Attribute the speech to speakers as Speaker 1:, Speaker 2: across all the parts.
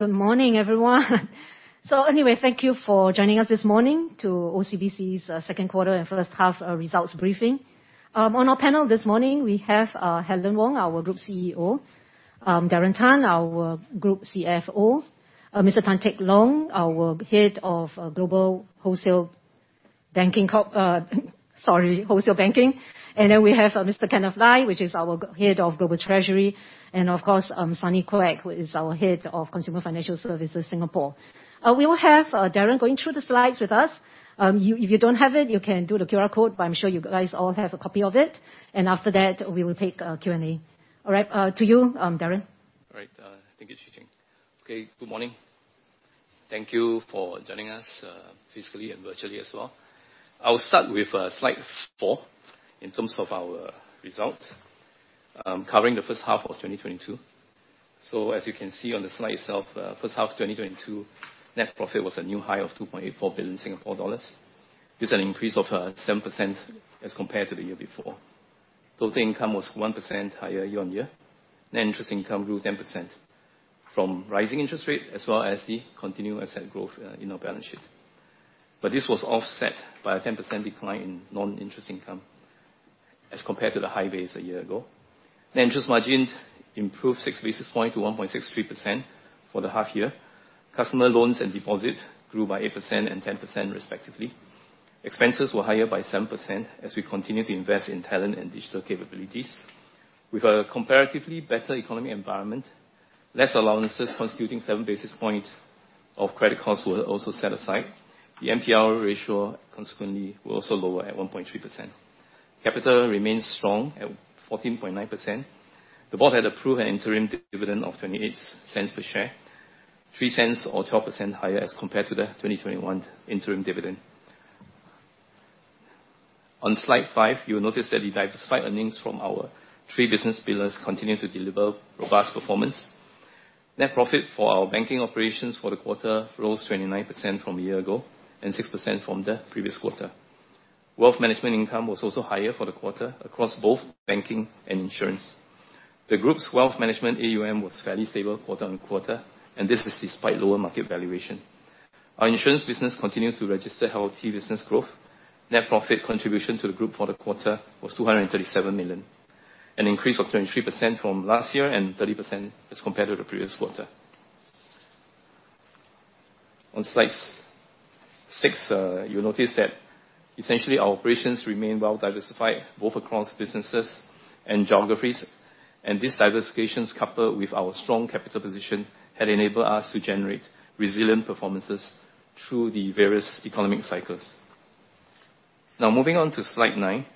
Speaker 1: Good morning, everyone. Anyway, thank you for joining us this morning to OCBC's second quarter and first half results briefing. On our panel this morning, we have Helen Wong, our Group CEO, Darren Tan, our Group CFO, Mr. Tan Teck Long, our Head of Global Wholesale Banking. We have Mr. Kenneth Lai, which is our Head of Global Treasury, and of course, Sunny Quek, who is our Head of Consumer Financial Services Singapore. We will have Darren going through the slides with us. If you don't have it, you can do the QR code, but I'm sure you guys all have a copy of it. After that, we will take Q&A. All right. To you, Darren.
Speaker 2: All right. Thank you, Ching Ching. Okay, good morning. Thank you for joining us, physically and virtually as well. I will start with slide four in terms of our results, covering the first half of 2022. As you can see on the slide itself, first half 2022 net profit was a new high of 2.84 billion Singapore dollars. It's an increase of 7% as compared to the year before. Total income was 1% higher year-on-year. Net interest income grew 10% from rising interest rate as well as the continued asset growth in our balance sheet. This was offset by a 10% decline in non-interest income as compared to the high base a year ago. Net interest margin improved 6 basis points to 1.63% for the half year. Customer loans and deposits grew by 8% and 10% respectively. Expenses were higher by 7% as we continue to invest in talent and digital capabilities. With a comparatively better economic environment, less allowances constituting 7 basis points of credit costs were also set aside. The NPL ratio consequently were also lower at 1.3%. Capital remains strong at 14.9%. The board had approved an interim dividend of 0.28 per share, 0.03 or 12% higher as compared to the 2021 interim dividend. On slide five, you'll notice that the diversified earnings from our three business pillars continue to deliver robust performance. Net profit for our banking operations for the quarter rose 29% from a year ago and 6% from the previous quarter. Wealth management income was also higher for the quarter across both banking and insurance. The group's wealth management AUM was fairly stable quarter-on-quarter, and this is despite lower market valuation. Our insurance business continued to register healthy business growth. Net profit contribution to the group for the quarter was 237 million, an increase of 23% from last year and 30% as compared to the previous quarter. On slide six, you'll notice that essentially our operations remain well diversified both across businesses and geographies. This diversification, coupled with our strong capital position, had enabled us to generate resilient performances through the various economic cycles. Now moving on to slide nine,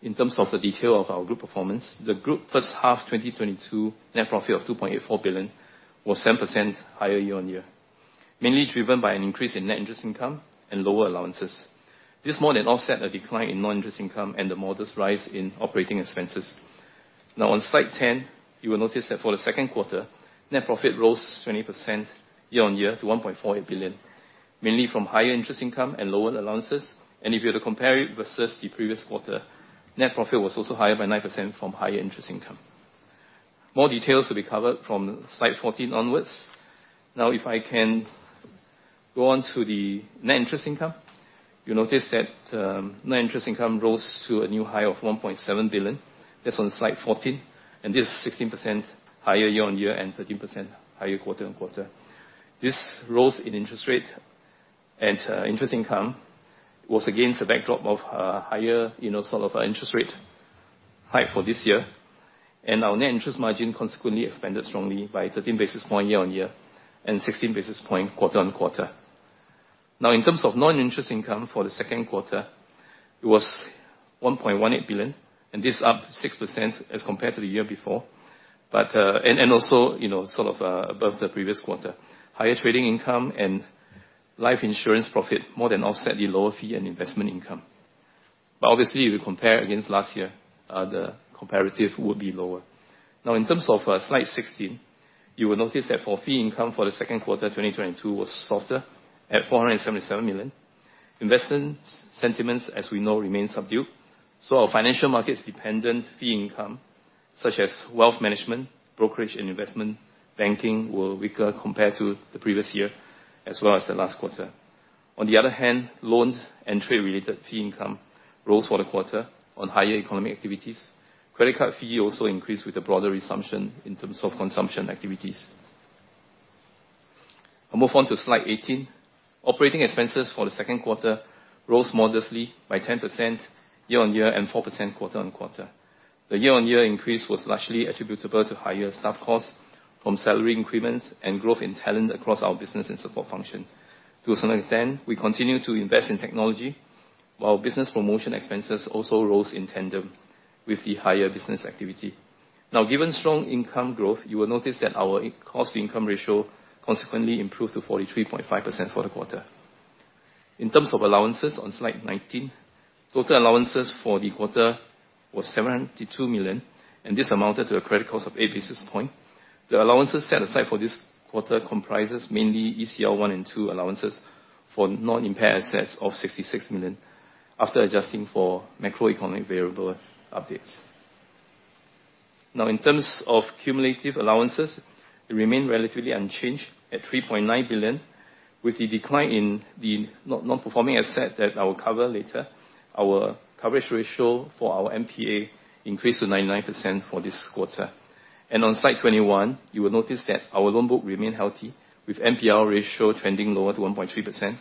Speaker 2: in terms of the detail of our group performance, the group first half 2022 net profit of 2.84 billion was 7% higher year-over-year, mainly driven by an increase in net interest income and lower allowances. This more than offset a decline in non-interest income and the modest rise in operating expenses. Now on slide 10, you will notice that for the second quarter, net profit rose 20% year-on-year to 1.48 billion, mainly from higher interest income and lower allowances. If you were to compare it versus the previous quarter, net profit was also higher by 9% from higher interest income. More details will be covered from slide 14 onwards. Now if I can go on to the net interest income. You'll notice that, net interest income rose to a new high of 1.7 billion. That's on slide 14. This is 16% higher year-on-year and 13% higher quarter-on-quarter. This rose in interest rate and interest income was against the backdrop of a higher, you know, sort of, interest rate hike for this year. Our net interest margin consequently expanded strongly by 13 basis points year-on-year and 16 basis points quarter-on-quarter. Now in terms of non-interest income for the second quarter, it was 1.18 billion, and this up 6% as compared to the year before, but and also, you know, sort of, above the previous quarter. Higher trading income and life insurance profit more than offset the lower fee and investment income. Obviously, if you compare against last year, the comparative would be lower. Now in terms of slide 16, you will notice that for fee income for the second quarter 2022 was softer at 477 million. Investment sentiments, as we know, remain subdued, so our financial markets dependent fee income, such as wealth management, brokerage, and investment banking were weaker compared to the previous year as well as the last quarter. On the other hand, loans and trade-related fee income rose for the quarter on higher economic activities. Credit card fee also increased with the broader resumption in terms of consumption activities. I'll move on to slide 18. Operating expenses for the second quarter rose modestly by 10% year-on-year and 4% quarter-on-quarter. The year-on-year increase was largely attributable to higher staff costs from salary increments and growth in talent across our business and support function. To a certain extent, we continue to invest in technology, while business promotion expenses also rose in tandem with the higher business activity. Now given strong income growth, you will notice that our cost-income ratio consequently improved to 43.5% for the quarter. In terms of allowances on slide 19, total allowances for the quarter was 702 million, and this amounted to a credit cost of 8 basis points. The allowances set aside for this quarter comprises mainly ECL one and two allowances for non-impaired assets of 66 million after adjusting for macroeconomic variable updates. Now, in terms of cumulative allowances, they remain relatively unchanged at 3.9 billion, with the decline in the non-performing asset that I will cover later. Our coverage ratio for our NPA increased to 99% for this quarter. On slide 21, you will notice that our loan book remained healthy with NPL ratio trending lower to 1.3%.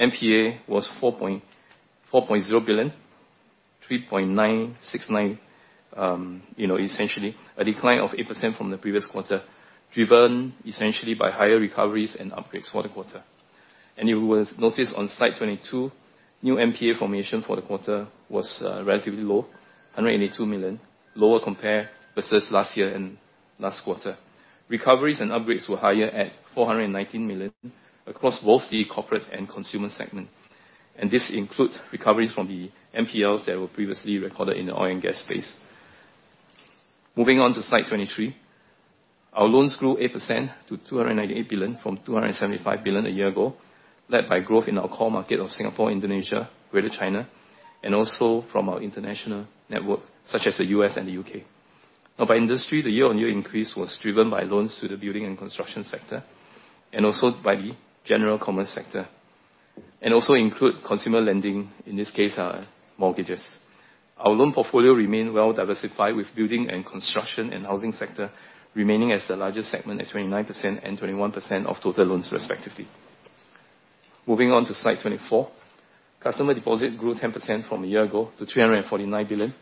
Speaker 2: NPA was 4.0 billion, 3.969 billion, you know, essentially a decline of 8% from the previous quarter, driven essentially by higher recoveries and upgrades for the quarter. You will notice on slide 22, new NPA formation for the quarter was relatively low, 182 million, lower compared versus last year and last quarter. Recoveries and upgrades were higher at 419 million across both the corporate and consumer segment. This includes recoveries from the NPLs that were previously recorded in the oil and gas space. Moving on to slide 23. Our loans grew 8% to 298 billion from 275 billion a year ago, led by growth in our core market of Singapore, Indonesia, Greater China, and also from our international network such as the U.S. and the U.K. Now by industry, the year-on-year increase was driven by loans to the building and construction sector, and also by the general commerce sector, and also include consumer lending, in this case, our mortgages. Our loan portfolio remained well-diversified, with building and construction and housing sector remaining as the largest segment at 29% and 21% of total loans respectively. Moving on to slide 24. Customer deposits grew 10% from a year ago to 349 billion,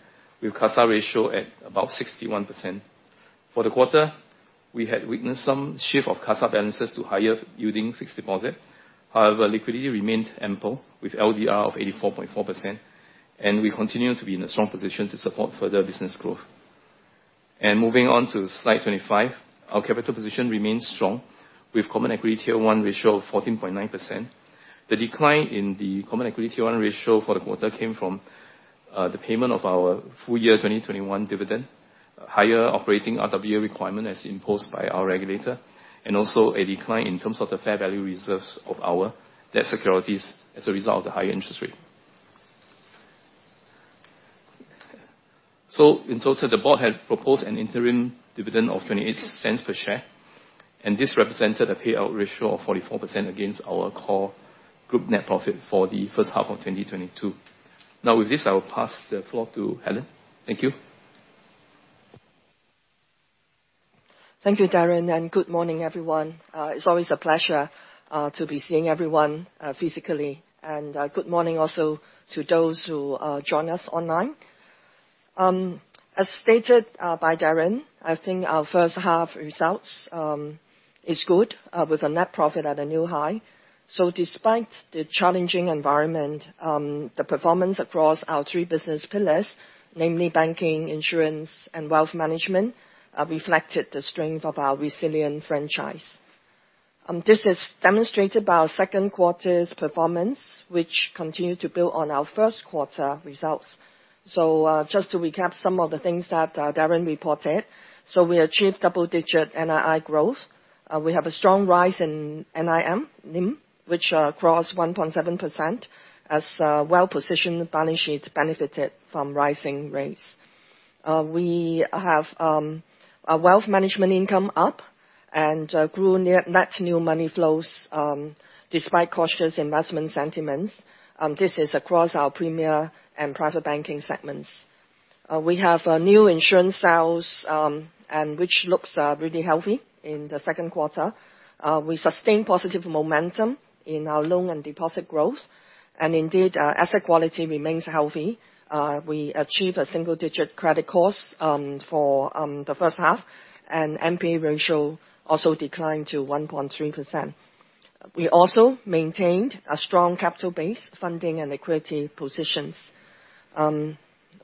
Speaker 2: with CASA ratio at about 61%. For the quarter, we had witnessed some shift of CASA balances to higher yielding fixed deposit. However, liquidity remained ample with LDR of 84.4%, and we continue to be in a strong position to support further business growth. Moving on to slide 25. Our capital position remains strong with common equity tier one ratio of 14.9%. The decline in the CET1 ratio for the quarter came from the payment of our full year 2021 dividend, higher operating RWA requirement as imposed by our regulator, and also a decline in terms of the fair value reserves of our debt securities as a result of the higher interest rate. In total, the board had proposed an interim dividend of 0.28 per share, and this represented a payout ratio of 44% against our core group net profit for the first half of 2022. Now with this, I will pass the floor to Helen. Thank you.
Speaker 3: Thank you, Darren, and good morning, everyone. It's always a pleasure to be seeing everyone physically. Good morning also to those who joined us online. As stated by Darren, I think our first half results is good with a net profit at a new high. Despite the challenging environment, the performance across our three business pillars, namely banking, insurance and wealth management, reflected the strength of our resilient franchise. This is demonstrated by our second quarter's performance, which continued to build on our first quarter results. Just to recap some of the things that Darren reported. We achieved double-digit NII growth. We have a strong rise in NIM, which crossed 1.7% as a well-positioned balance sheet benefited from rising rates. We have a wealth management income up and grew net new money flows despite cautious investment sentiments. This is across our premier and private banking segments. We have new insurance sales and which looks really healthy in the second quarter. We sustain positive momentum in our loan and deposit growth. Indeed, asset quality remains healthy. We achieved a single-digit credit cost for the first half, and NPA ratio also declined to 1.3%. We also maintained a strong capital base, funding and equity positions.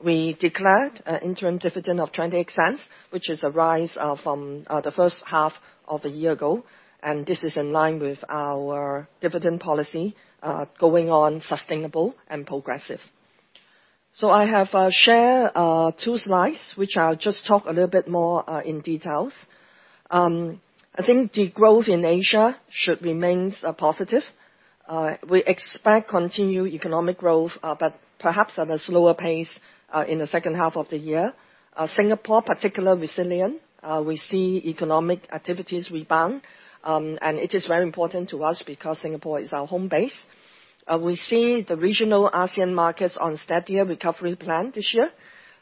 Speaker 3: We declared an interim dividend of 0.28, which is a rise from the first half of a year ago, and this is in line with our dividend policy going on sustainable and progressive. I have shared two slides, which I'll just talk a little bit more in details. I think the growth in Asia should remains positive. We expect continued economic growth, but perhaps at a slower pace in the second half of the year. Singapore particular resilient. We see economic activities rebound. It is very important to us because Singapore is our home base. We see the regional ASEAN markets on steadier recovery plan this year.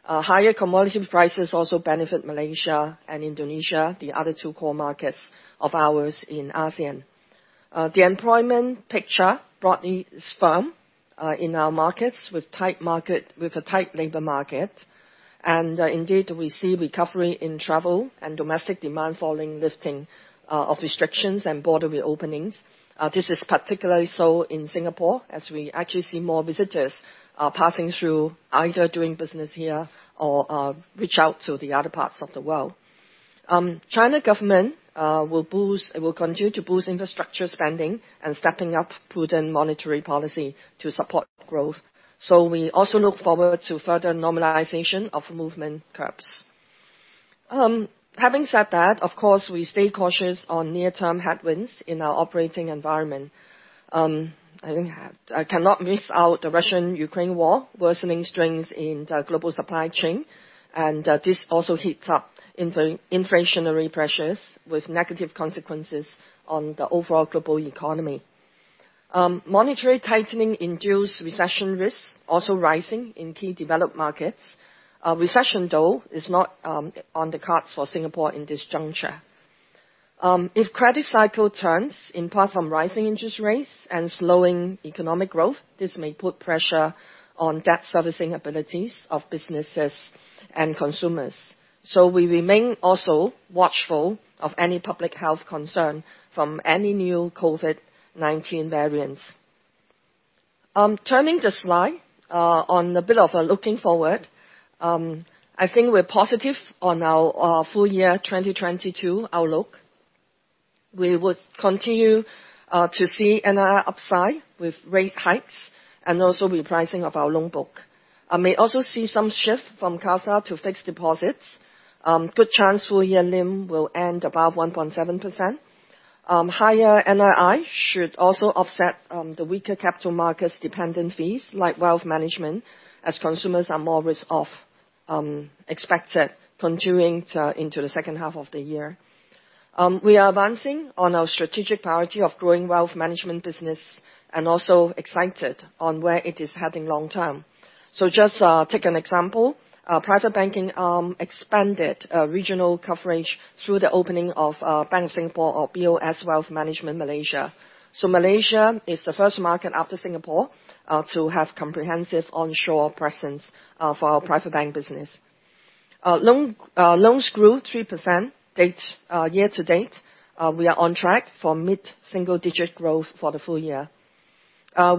Speaker 3: Higher commodity prices also benefit Malaysia and Indonesia, the other two core markets of ours in ASEAN. The employment picture broadly is firm in our markets with a tight labor market. Indeed, we see recovery in travel and domestic demand following lifting of restrictions and border reopenings. This is particularly so in Singapore as we actually see more visitors passing through, either doing business here or reach out to the other parts of the world. Chinese government will continue to boost infrastructure spending and stepping up prudent monetary policy to support growth. We also look forward to further normalization of movement curbs. Having said that, of course, we stay cautious on near-term headwinds in our operating environment. I think I cannot miss out the Russia-Ukraine war worsening strains in the global supply chain, and this also heats up inflationary pressures with negative consequences on the overall global economy. Monetary tightening induced recession risks also rising in key developed markets. Recession, though, is not on the cards for Singapore in this juncture. If credit cycle turns in part from rising interest rates and slowing economic growth, this may put pressure on debt servicing abilities of businesses and consumers. We remain also watchful of any public health concern from any new COVID-19 variants. Turning to the slide on looking forward, I think we're positive on our full-year 2022 outlook. We will continue to see NII upside with rate hikes and also repricing of our loan book. I may also see some shift from CASA to fixed deposits. Good chance full-year NIM will end above 1.7%. Higher NII should also offset the weaker capital markets-dependent fees, like wealth management, as consumers are more risk-off, expected to continue into the second half of the year. We are advancing on our strategic priority of growing wealth management business and also excited on where it is heading long term. Just take an example. Our private banking arm expanded regional coverage through the opening of Bank of Singapore or BOS Wealth Management Malaysia. Malaysia is the first market after Singapore to have comprehensive onshore presence for our private bank business. Loans grew 3% year-to-date. We are on track for mid-single digit growth for the full year.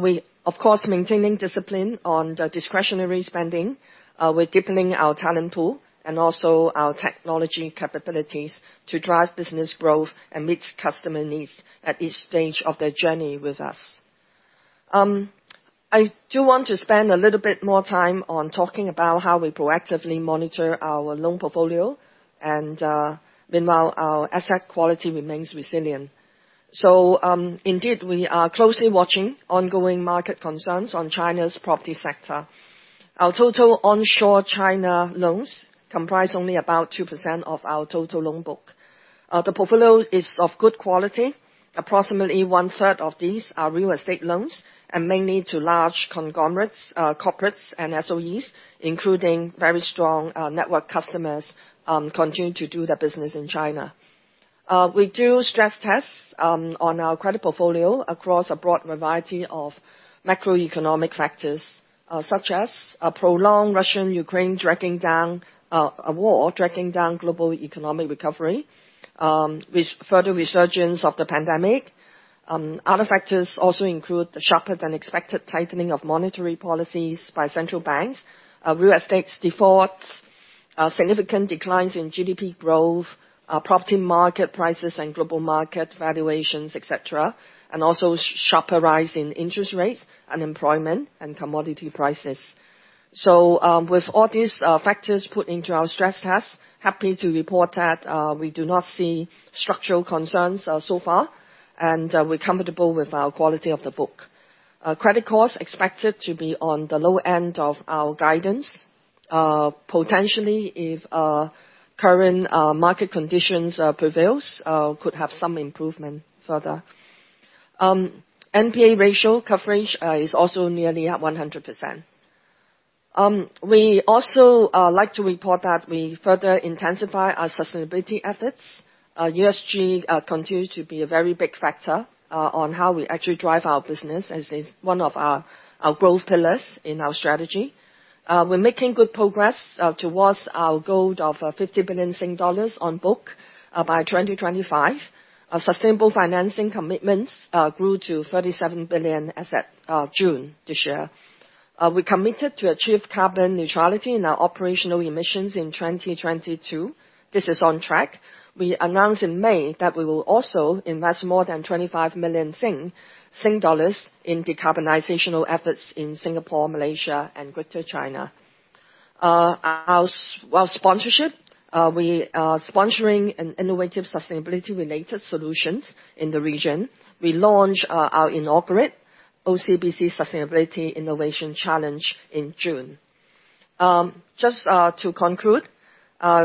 Speaker 3: We, of course, maintaining discipline on the discretionary spending. We're deepening our talent pool and also our technology capabilities to drive business growth and meet customer needs at each stage of their journey with us. I do want to spend a little bit more time on talking about how we proactively monitor our loan portfolio, and meanwhile, our asset quality remains resilient. Indeed, we are closely watching ongoing market concerns on China's property sector. Our total onshore China loans comprise only about 2% of our total loan book. The portfolio is of good quality. Approximately 1/3 of these are real estate loans and mainly to large conglomerates, corporates, and SOEs, including very strong network customers continue to do their business in China. We do stress tests on our credit portfolio across a broad variety of macroeconomic factors, such as a prolonged war dragging down global economic recovery with further resurgence of the pandemic. Other factors also include the sharper than expected tightening of monetary policies by central banks, real estate defaults, significant declines in GDP growth, property market prices and global market valuations, et cetera, and also sharper rise in interest rates, unemployment, and commodity prices. With all these factors put into our stress tests, happy to report that we do not see structural concerns so far, and we're comfortable with our quality of the book. Credit costs expected to be on the low end of our guidance. Potentially, if current market conditions prevail, could have some improvement further. NPA ratio coverage is also nearly at 100%. We also like to report that we further intensify our sustainability efforts. ESG continues to be a very big factor on how we actually drive our business as is one of our growth pillars in our strategy. We're making good progress towards our goal of 50 billion Sing dollars on book by 2025. Our sustainable financing commitments grew to 37 billion as at June this year. We're committed to achieve carbon neutrality in our operational emissions in 2022. This is on track. We announced in May that we will also invest more than 25 million in decarbonization efforts in Singapore, Malaysia, and Greater China. Our wealth sponsorship, we are sponsoring innovative sustainability-related solutions in the region. We launched our inaugural OCBC Sustainability Innovation Challenge in June. Just to conclude,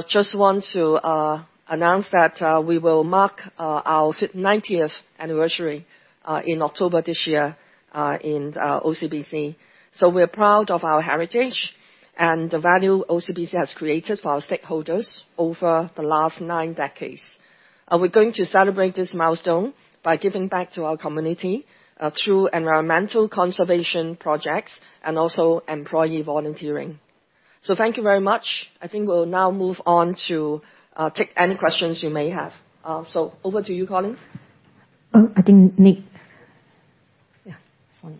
Speaker 3: just want to announce that we will mark our ninetieth anniversary in October this year in OCBC. We're proud of our heritage and the value OCBC has created for our stakeholders over the last nine decades. We're going to celebrate this milestone by giving back to our community through environmental conservation projects and also employee volunteering. Thank you very much. I think we'll now move on to take any questions you may have. Over to you, Colin.
Speaker 1: Oh, I think Nick.
Speaker 3: Yeah. Sorry.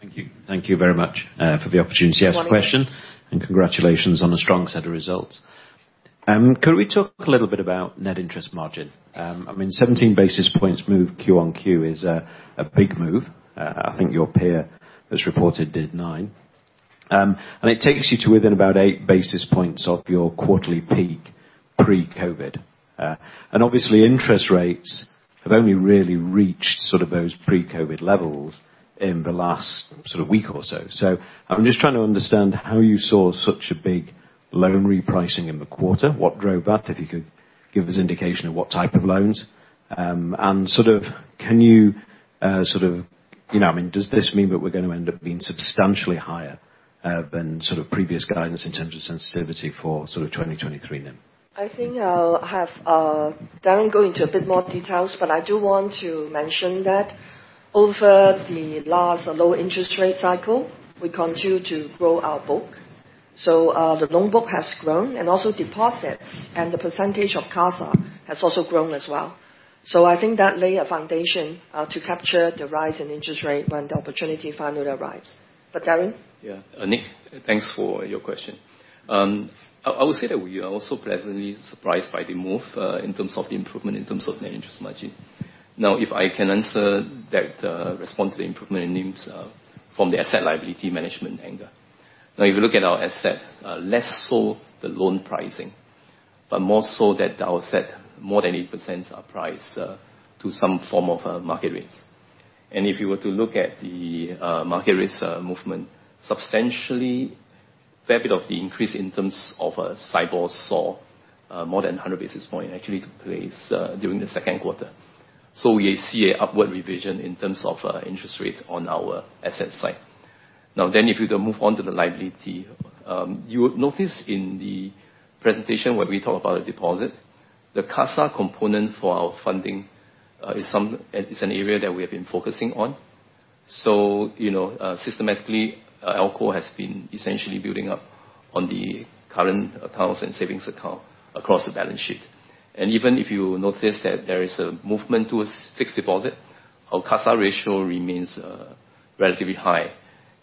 Speaker 4: Thank you. Thank you very much, for the opportunity to ask a question.
Speaker 3: Good morning.
Speaker 4: Congratulations on the strong set of results. Could we talk a little bit about net interest margin? I mean 17 basis points move Q-on-Q is a big move. I think your peer as reported did 9 basis points. And it takes you to within about 8 basis points of your quarterly peak pre-COVID. And obviously interest rates have only really reached sort of those pre-COVID levels in the last sort of week or so. I'm just trying to understand how you saw such a big loan repricing in the quarter, what drove that? If you could give us indication of what type of loans, and can you know. I mean, does this mean that we're gonna end up being substantially higher than sort of previous guidance in terms of sensitivity for sort of 2023 then?
Speaker 3: I think I'll have Darren go into a bit more details. I do want to mention that over the last low interest rate cycle, we continue to grow our book. The loan book has grown and also deposits and the percentage of CASA has also grown as well. I think that lay a foundation to capture the rise in interest rate when the opportunity finally arrives. Darren?
Speaker 2: Yeah. Nick, thanks for your question. I would say that we are also pleasantly surprised by the move, in terms of the improvement in terms of net interest margin. Now, if I can answer that, response to the improvement in NIMs, from the asset liability management angle. Now, if you look at our asset, less so the loan pricing, but more so that our asset more than 8% are priced, to some form of, market rates. If you were to look at the, market rates, movement, substantially fair bit of the increase in terms of, SIBOR saw, more than 100 basis point actually took place, during the second quarter. We see a upward revision in terms of, interest rate on our asset side. If you move on to the liability, you would notice in the presentation where we talk about a deposit, the CASA component for our funding is an area that we have been focusing on. You know, systematically, ALCO has been essentially building up on the current accounts and savings account across the balance sheet. Even if you notice that there is a movement to a fixed deposit, our CASA ratio remains relatively high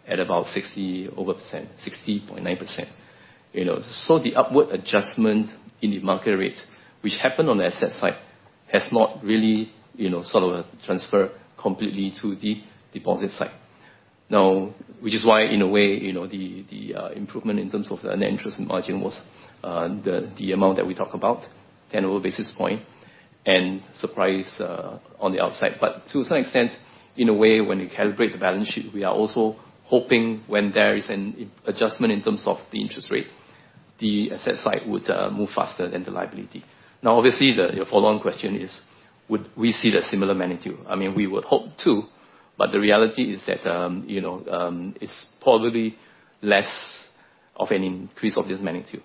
Speaker 2: at about 60%, 60.9%, you know. The upward adjustment in the market rate, which happened on the asset side, has not really, you know, sort of transferred completely to the deposit side now. Which is why in a way, you know, the improvement in terms of the net interest margin was the amount that we talk about, 10 basis points, and a surprise on the upside. To some extent, in a way when we calibrate the balance sheet, we are also hoping when there is an adjustment in terms of the interest rate, the asset side would move faster than the liability. Now obviously, your follow-on question is, would we see a similar magnitude? I mean, we would hope to, but the reality is that, you know, it's probably less of an increase of this magnitude.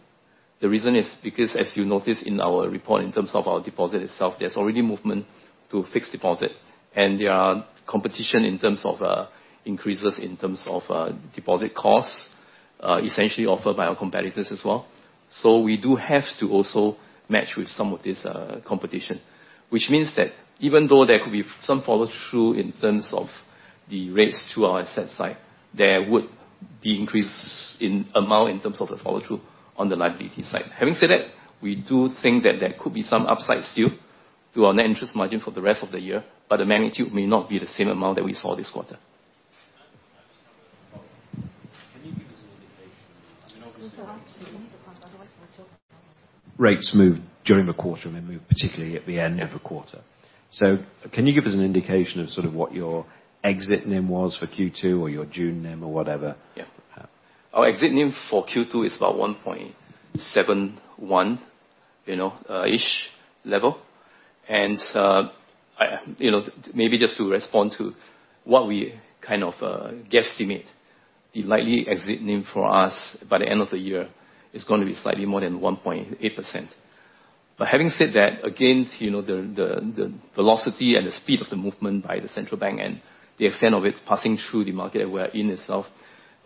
Speaker 2: The reason is because as you notice in our report, in terms of our deposit itself, there's already movement to fixed deposit and there are competition in terms of, increases in terms of, deposit costs, essentially offered by our competitors as well. So we do have to also match with some of this, competition. Which means that even though there could be some follow-through in terms of the rates to our asset side, there would be increase in amount in terms of the follow-through on the liability side. Having said that, we do think that there could be some upside still to our net interest margin for the rest of the year, but the magnitude may not be the same amount that we saw this quarter.
Speaker 4: Can you give us an indication? I mean, obviously rates move during the quarter and they move particularly at the end of the quarter. Can you give us an indication of sort of what your exit NIM was for Q2 or your June NIM or whatever?
Speaker 2: Yeah. Our exit NIM for Q2 is about 1.71%, you know, ish level. I, you know, maybe just to respond to what we kind of guesstimate the likely exit NIM for us by the end of the year is gonna be slightly more than 1.8%. Having said that, against, you know, the velocity and the speed of the movement by the central bank and the extent of its passing through the market we're in itself,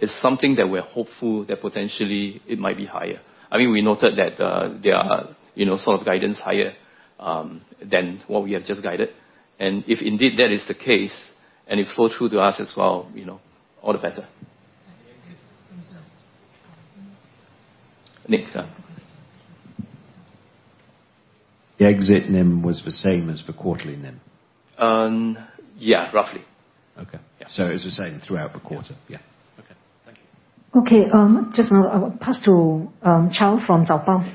Speaker 2: is something that we're hopeful that potentially it might be higher. I mean, we noted that there are, you know, sort of guidance higher than what we have just guided. If indeed that is the case and it flow through to us as well, you know, all the better. Nick.
Speaker 4: The exit NIM was the same as the quarterly NIM?
Speaker 2: Yeah, roughly.
Speaker 4: Okay.
Speaker 2: Yeah.
Speaker 4: It was the same throughout the quarter?
Speaker 2: Yeah.
Speaker 4: Yeah. Okay. Thank you.
Speaker 3: Okay. Just pass to Chew from Zaobao.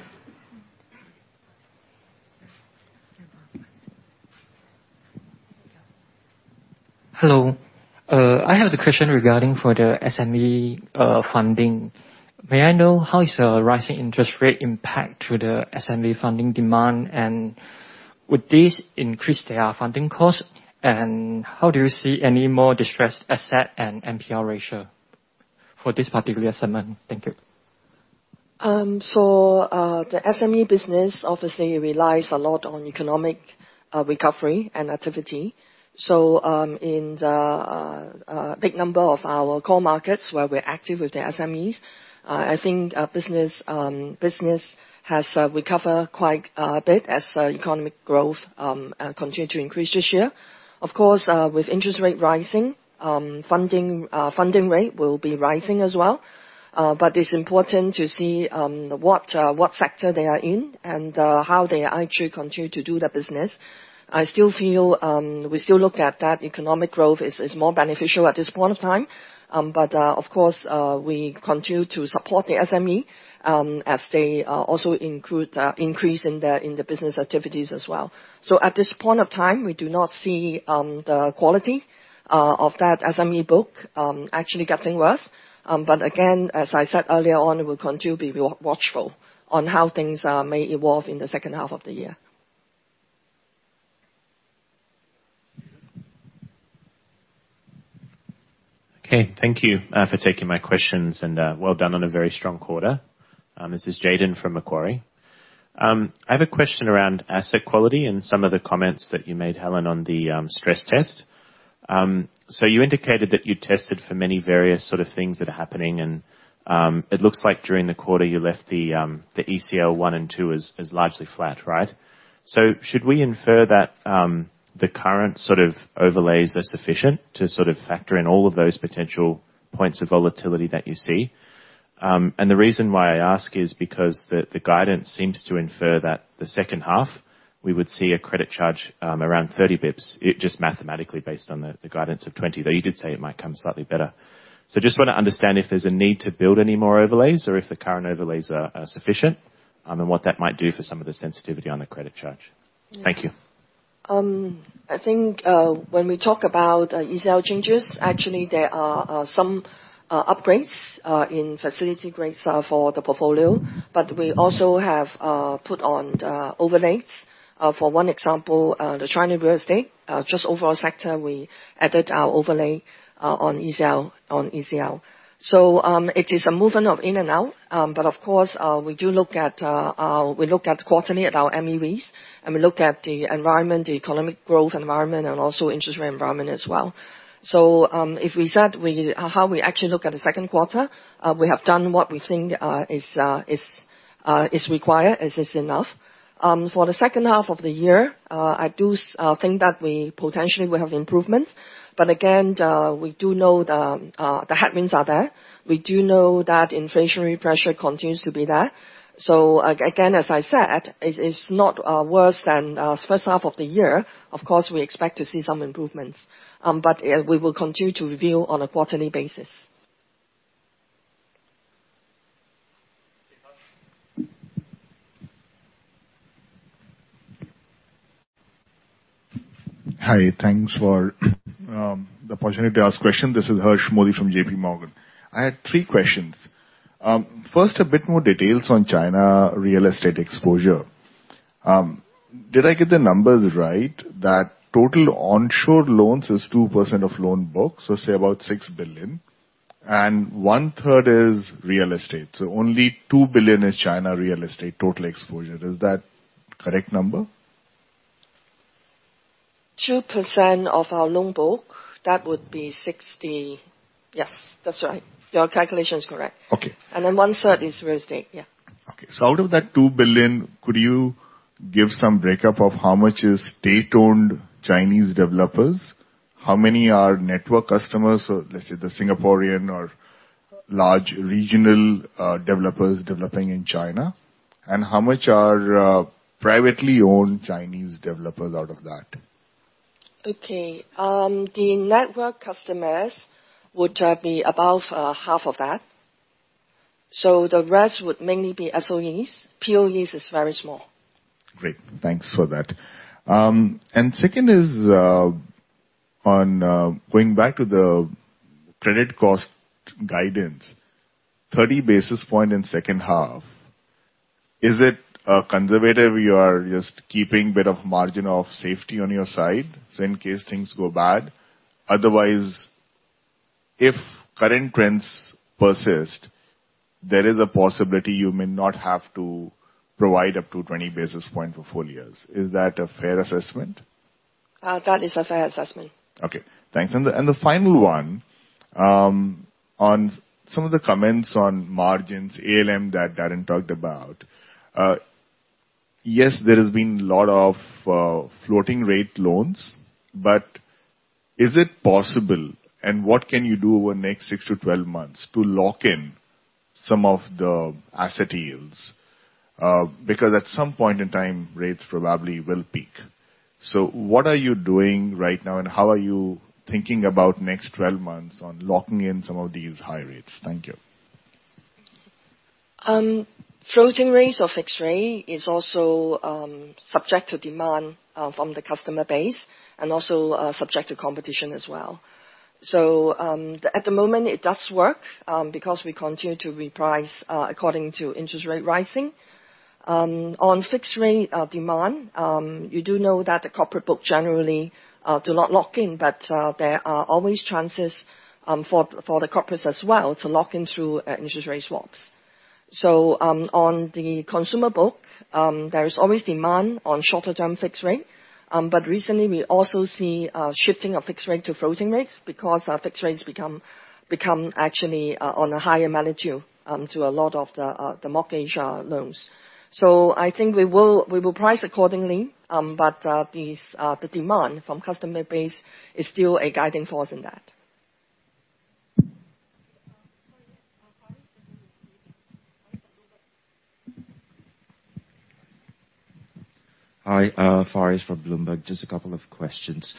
Speaker 5: Hello. I have a question regarding for the SME funding. May I know how is rising interest rate impact to the SME funding demand, and would this increase their funding costs? How do you see any more distressed asset and NPL ratio for this particular segment? Thank you.
Speaker 3: The SME business obviously relies a lot on economic recovery and activity. In the bigger number of our core markets where we're active with the SMEs, I think business has recovered quite a bit as economic growth continue to increase this year. Of course, with interest rate rising, funding rate will be rising as well. It's important to see what sector they are in and how they actually continue to do their business. I still feel we still look at that economic growth is more beneficial at this point of time. Of course, we continue to support the SME as they also include increase in their business activities as well. At this point of time, we do not see the quality of that SME book actually getting worse. Again, as I said earlier on, we'll continue to be watchful on how things may evolve in the second half of the year.
Speaker 6: Okay. Thank you for taking my questions, and well done on a very strong quarter. This is Jayden from Macquarie. I have a question around asset quality and some of the comments that you made, Helen, on the stress test. You indicated that you tested for many various sort of things that are happening, and it looks like during the quarter you left the ECL one and two as largely flat, right? Should we infer that the current sort of overlays are sufficient to sort of factor in all of those potential points of volatility that you see? The reason why I ask is because the guidance seems to infer that the second half we would see a credit charge around 30 basis points. It just mathematically based on the guidance of 20, though you did say it might come slightly better. Just wanna understand if there's a need to build any more overlays or if the current overlays are sufficient, and what that might do for some of the sensitivity on the credit charge. Thank you.
Speaker 3: I think, when we talk about ECL changes, actually there are some upgrades in facility grades for the portfolio, but we also have put on overlays. For one example, the Chinese real estate just overall sector, we added our overlay on ECL. So, it is a movement of in and out. But of course, we do look at quarterly at our MEVs, and we look at the environment, the economic growth environment, and also interest rate environment as well. So, if we said we, how we actually look at the second quarter, we have done what we think is required, is this enough. For the second half of the year, I do think that we potentially will have improvements. Again, we do know the headwinds are there. We do know that inflationary pressure continues to be there. Again, as I said, it is not worse than first half of the year. Of course, we expect to see some improvements. We will continue to review on a quarterly basis.
Speaker 7: Hi. Thanks for the opportunity to ask question. This is Harsh Modi from J.P. Morgan. I had three questions. First, a bit more details on China real estate exposure. Did I get the numbers right? That total onshore loans is 2% of loan books, so say about 6 billion, and 1/3 is real estate, so only 2 billion is China real estate total exposure. Is that correct number?
Speaker 3: 2% of our loan book, that would be 60%. Yes, that's right. Your calculation is correct.
Speaker 7: Okay.
Speaker 3: And then 1/3 is real estate. Yeah.
Speaker 7: Okay. Out of that 2 billion, could you give some breakdown of how much is state-owned Chinese developers? How many are network customers or, let's say, the Singaporean or large regional developers developing in China? And how much are privately owned Chinese developers out of that?
Speaker 3: Okay. The network customers would be above half of that. The rest would mainly be SOEs. POEs is very small.
Speaker 7: Great. Thanks for that. Second is on going back to the credit cost guidance, 30 basis points in second half, is it conservative or you are just keeping a bit of margin of safety on your side, so in case things go bad? Otherwise, if current trends persist, there is a possibility you may not have to provide up to 20 basis points for full years. Is that a fair assessment?
Speaker 3: That is a fair assessment.
Speaker 7: Okay. Thanks. The final one, on some of the comments on margins, ALM that Darren talked about, yes, there has been a lot of floating rate loans, but is it possible and what can you do over the next six to 12 months to lock in some of the asset yields? Because at some point in time, rates probably will peak. What are you doing right now, and how are you thinking about next 12 months on locking in some of these high rates? Thank you.
Speaker 3: Floating rates or fixed rate is also subject to demand from the customer base and also subject to competition as well. At the moment it does work because we continue to reprice according to interest rates rising. On fixed rate demand, you do know that the corporate book generally do not lock in, but there are always chances for the corporates as well to lock in through interest rate swaps. On the consumer book, there is always demand on shorter term fixed rate. Recently we also see shifting of fixed rate to floating rates because our fixed rates become actually on a higher magnitude to a lot of the mortgage loans. I think we will price accordingly, but the demand from customer base is still a guiding force in that.
Speaker 8: Hi, Faris from Bloomberg. Just a couple of questions.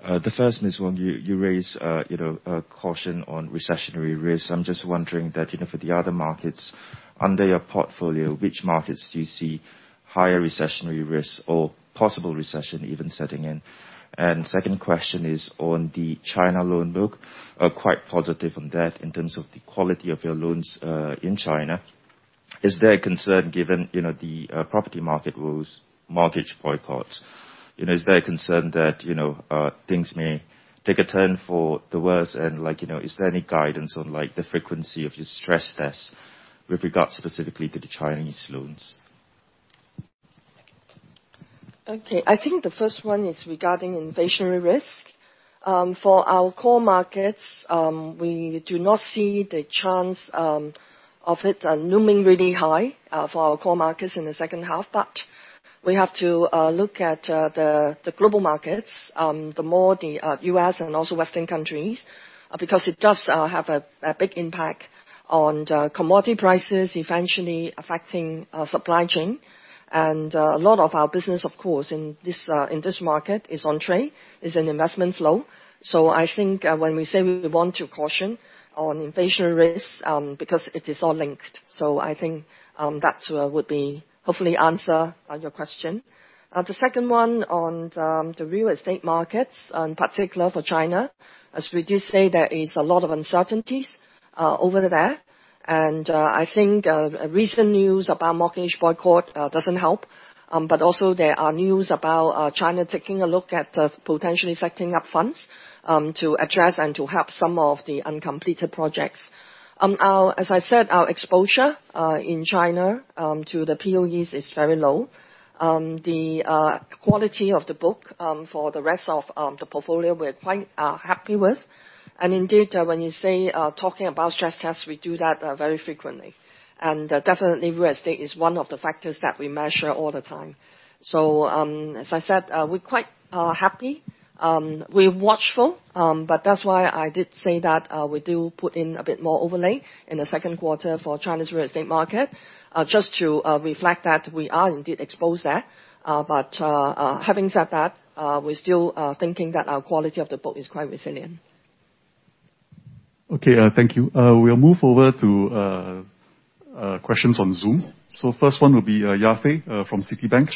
Speaker 8: The first is when you raise, you know, a caution on recessionary risk. I'm just wondering that, you know, for the other markets under your portfolio, which markets do you see higher recessionary risk or possible recession even setting in? Second question is on the China loan book. Quite positive on that in terms of the quality of your loans in China. Is there a concern given, you know, the property market woes, mortgage boycotts? You know, is there a concern that, you know, things may take a turn for the worst and like, you know, is there any guidance on like the frequency of your stress tests with regards specifically to the Chinese loans?
Speaker 3: Okay. I think the first one is regarding inflationary risk. For our core markets, we do not see the chance of it looming really high for our core markets in the second half. We have to look at the global markets, more the U.S. and also Western countries, because it does have a big impact on the commodity prices eventually affecting supply chain. A lot of our business of course in this market is on trade, an investment flow. I think when we say we want to caution on inflation risk, because it is all linked. I think that would be hopefully answer your question. The second one on the real estate markets, in particular for China, as we did say, there is a lot of uncertainties over there. I think recent news about mortgage boycott doesn't help. Also there are news about China taking a look at potentially setting up funds to address and to help some of the uncompleted projects. As I said, our exposure in China to the POEs is very low. The quality of the book for the rest of the portfolio, we're quite happy with. Indeed, when you say talking about stress tests, we do that very frequently. Definitely real estate is one of the factors that we measure all the time. As I said, we're quite happy. We're watchful, but that's why I did say that, we do put in a bit more overlay in the second quarter for China's real estate market, just to reflect that we are indeed exposed there. Having said that, we're still thinking that our quality of the book is quite resilient.
Speaker 9: Okay. Thank you. We'll move over to questions on Zoom. First one will be Yafei from Citibank.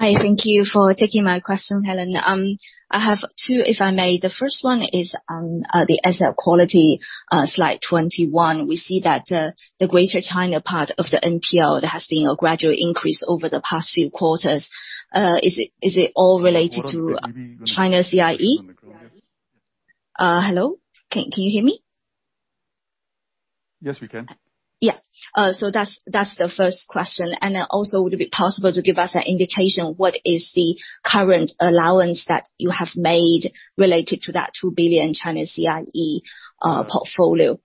Speaker 10: Hi. Thank you for taking my question, Helen. I have two if I may. The first one is on the asset quality, slide 21. We see that the Greater China part of the NPL, there has been a gradual increase over the past few quarters. Is it all related to-
Speaker 9: Hold on. Can you repeat the question from the beginning?
Speaker 10: China CRE? Hello? Can you hear me?
Speaker 9: Yes, we can.
Speaker 10: Yeah. So that's the first question. Then also, would it be possible to give us an indication what is the current allowance that you have made related to that 2 billion China CRE portfolio?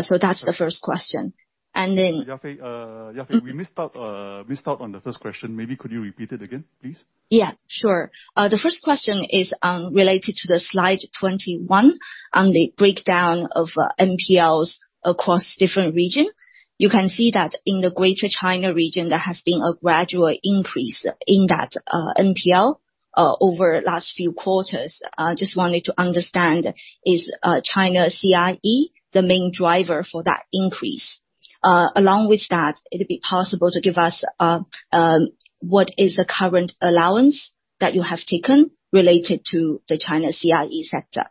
Speaker 10: So that's the first question. Then-
Speaker 9: Yafei, we missed out on the first question. Maybe, could you repeat it again, please?
Speaker 10: Yeah, sure. The first question is related to the slide 21 on the breakdown of NPLs across different regions. You can see that in the Greater China region, there has been a gradual increase in that NPL over last few quarters. Just wanted to understand, is China CRE the main driver for that increase? Along with that, it would be possible to give us what is the current allowance that you have taken related to the China CRE sector?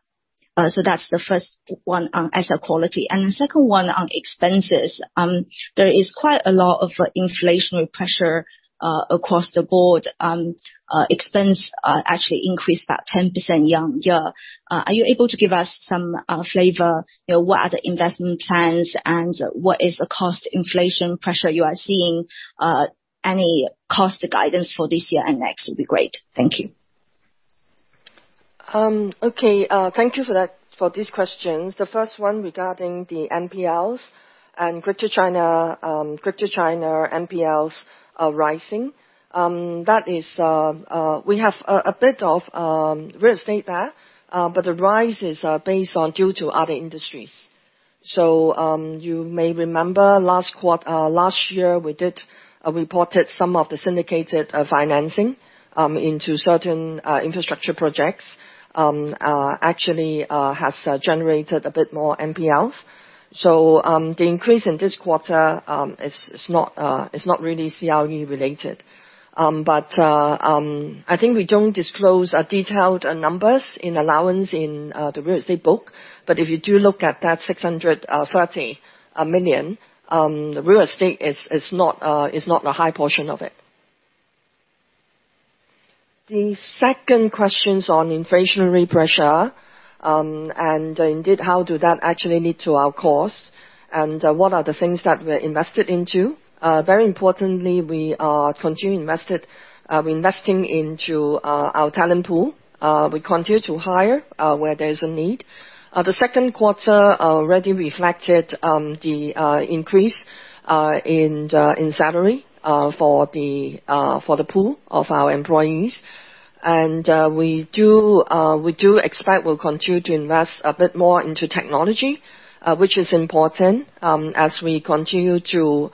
Speaker 10: So that's the first one on asset quality. The second one on expenses, there is quite a lot of inflationary pressure across the board. Expenses actually increased about 10% year-on-year. Are you able to give us some flavor, you know, what are the investment plans and what is the cost inflation pressure you are seeing? Any cost guidance for this year and next would be great. Thank you.
Speaker 3: Okay. Thank you for that, for these questions. The first one regarding the NPLs and Greater China, Greater China NPLs are rising. That is, we have a bit of real estate there, but the rise is based on due to other industries. You may remember last year we did reported some of the syndicated financing into certain infrastructure projects, actually has generated a bit more NPLs. The increase in this quarter is not really CRE related. I think we don't disclose detailed numbers in allowances in the real estate book, but if you do look at that 630 million, the real estate is not a high portion of it. The second question's on inflationary pressure, and indeed how does that actually lead to our costs and what are the things that we're invested into. Very importantly, we're investing into our talent pool. We continue to hire where there's a need. The second quarter already reflected the increase in salary for the pool of our employees. We expect we'll continue to invest a bit more into technology, which is important, as we continue to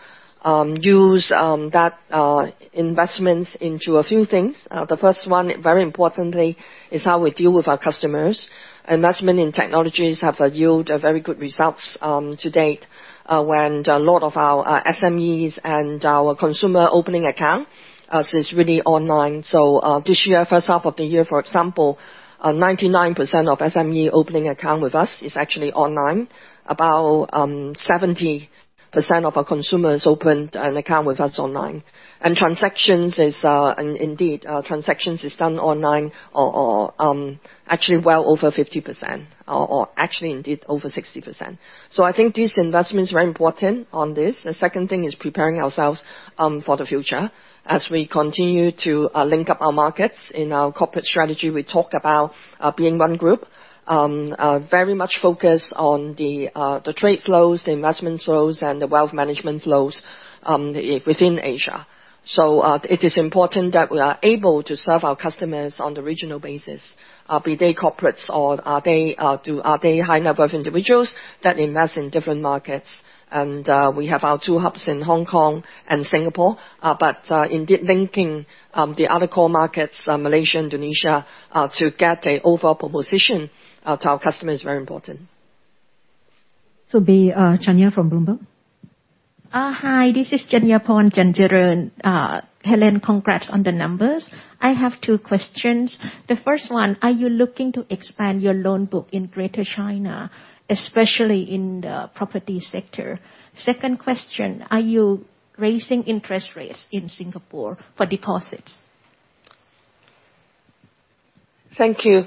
Speaker 3: use that investments into a few things. The first one, very importantly, is how we deal with our customers. Investment in technologies have yield very good results to date, when a lot of our SMEs and our consumer opening account is really online. This year, first half of the year, for example, 99% of SME opening account with us is actually online. About 70% of our consumers opened an account with us online. Transactions are indeed done online, actually well over 50%, or actually over 60%. I think this investment is very important on this. The second thing is preparing ourselves for the future. As we continue to link up our markets. In our corporate strategy, we talk about being one group very much focused on the trade flows, the investment flows, and the wealth management flows within Asia. It is important that we are able to serve our customers on the regional basis, be they corporates or are they high net worth individuals that invest in different markets. We have our two hubs in Hong Kong and Singapore, but indeed linking the other core markets, Malaysia, Indonesia, to get an overall proposition to our customers is very important.
Speaker 1: Chanya from Bloomberg.
Speaker 11: Hi, this is Chanyaporn Chanjaroen. Helen, congrats on the numbers. I have two questions. The first one, are you looking to expand your loan book in Greater China, especially in the property sector? Second question, are you raising interest rates in Singapore for deposits?
Speaker 3: Thank you.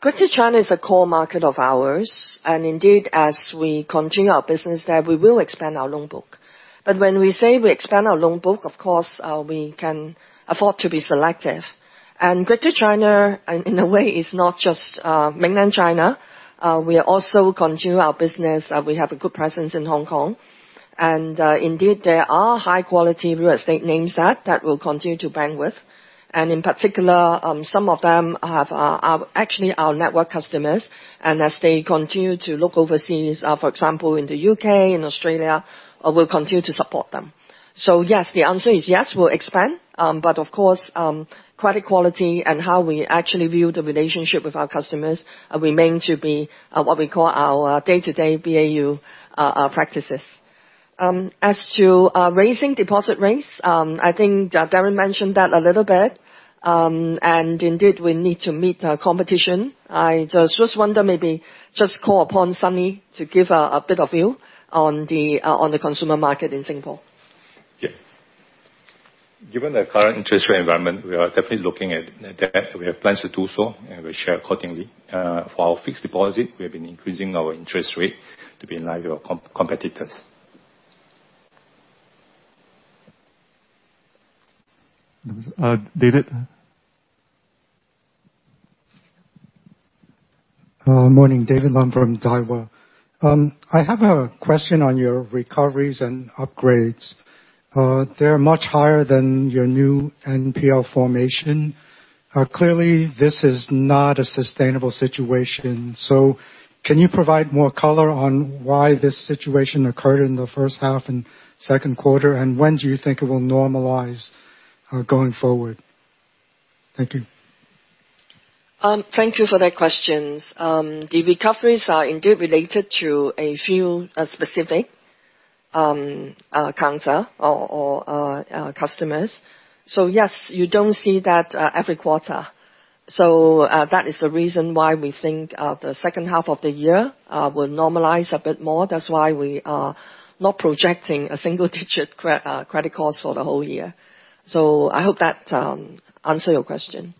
Speaker 3: Greater China is a core market of ours, and indeed, as we continue our business there, we will expand our loan book. When we say we expand our loan book, of course, we can afford to be selective. Greater China, in a way, is not just mainland China. We also continue our business, we have a good presence in Hong Kong. Indeed, there are high-quality real estate names that we'll continue to bank with. In particular, some of them have actually our network customers. As they continue to look overseas, for example, in the U.K. and Australia, we'll continue to support them. Yes, the answer is yes, we'll expand. Of course, credit quality and how we actually view the relationship with our customers remain to be what we call our day-to-day BAU practices. As to raising deposit rates, I think that Darren mentioned that a little bit. Indeed we need to meet competition. I just wonder, maybe just call upon Sunny to give a bit of view on the consumer market in Singapore.
Speaker 12: Yeah. Given the current interest rate environment, we are definitely looking at that. We have plans to do so, and we'll share accordingly. For our fixed deposit, we have been increasing our interest rate to be in line with our competitors.
Speaker 9: David?
Speaker 13: Morning. David Lum from Daiwa. I have a question on your recoveries and upgrades. They're much higher than your new NPL formation. Clearly this is not a sustainable situation. Can you provide more color on why this situation occurred in the first half and second quarter, and when do you think it will normalize, going forward? Thank you.
Speaker 3: Thank you for that question. The recoveries are indeed related to a few specific counterparties or customers. Yes, you don't see that every quarter. That is the reason why we think the second half of the year will normalize a bit more. That's why we are not projecting a single-digit credit cost for the whole year. I hope that answers your question.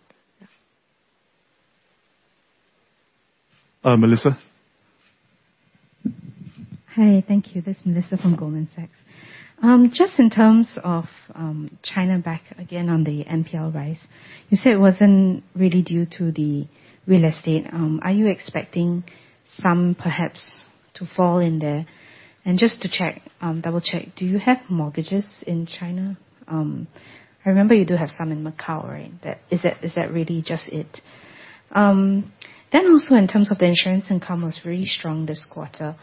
Speaker 9: Melissa?
Speaker 14: Hi. Thank you. This is Melissa from Goldman Sachs. Just in terms of China back again on the NPL rise, you said it wasn't really due to the real estate. Are you expecting some perhaps to fall in there? Just to check, double-check, do you have mortgages in China? I remember you do have some in Macau, right? Is that really just it? Also in terms of the insurance income was really strong this quarter.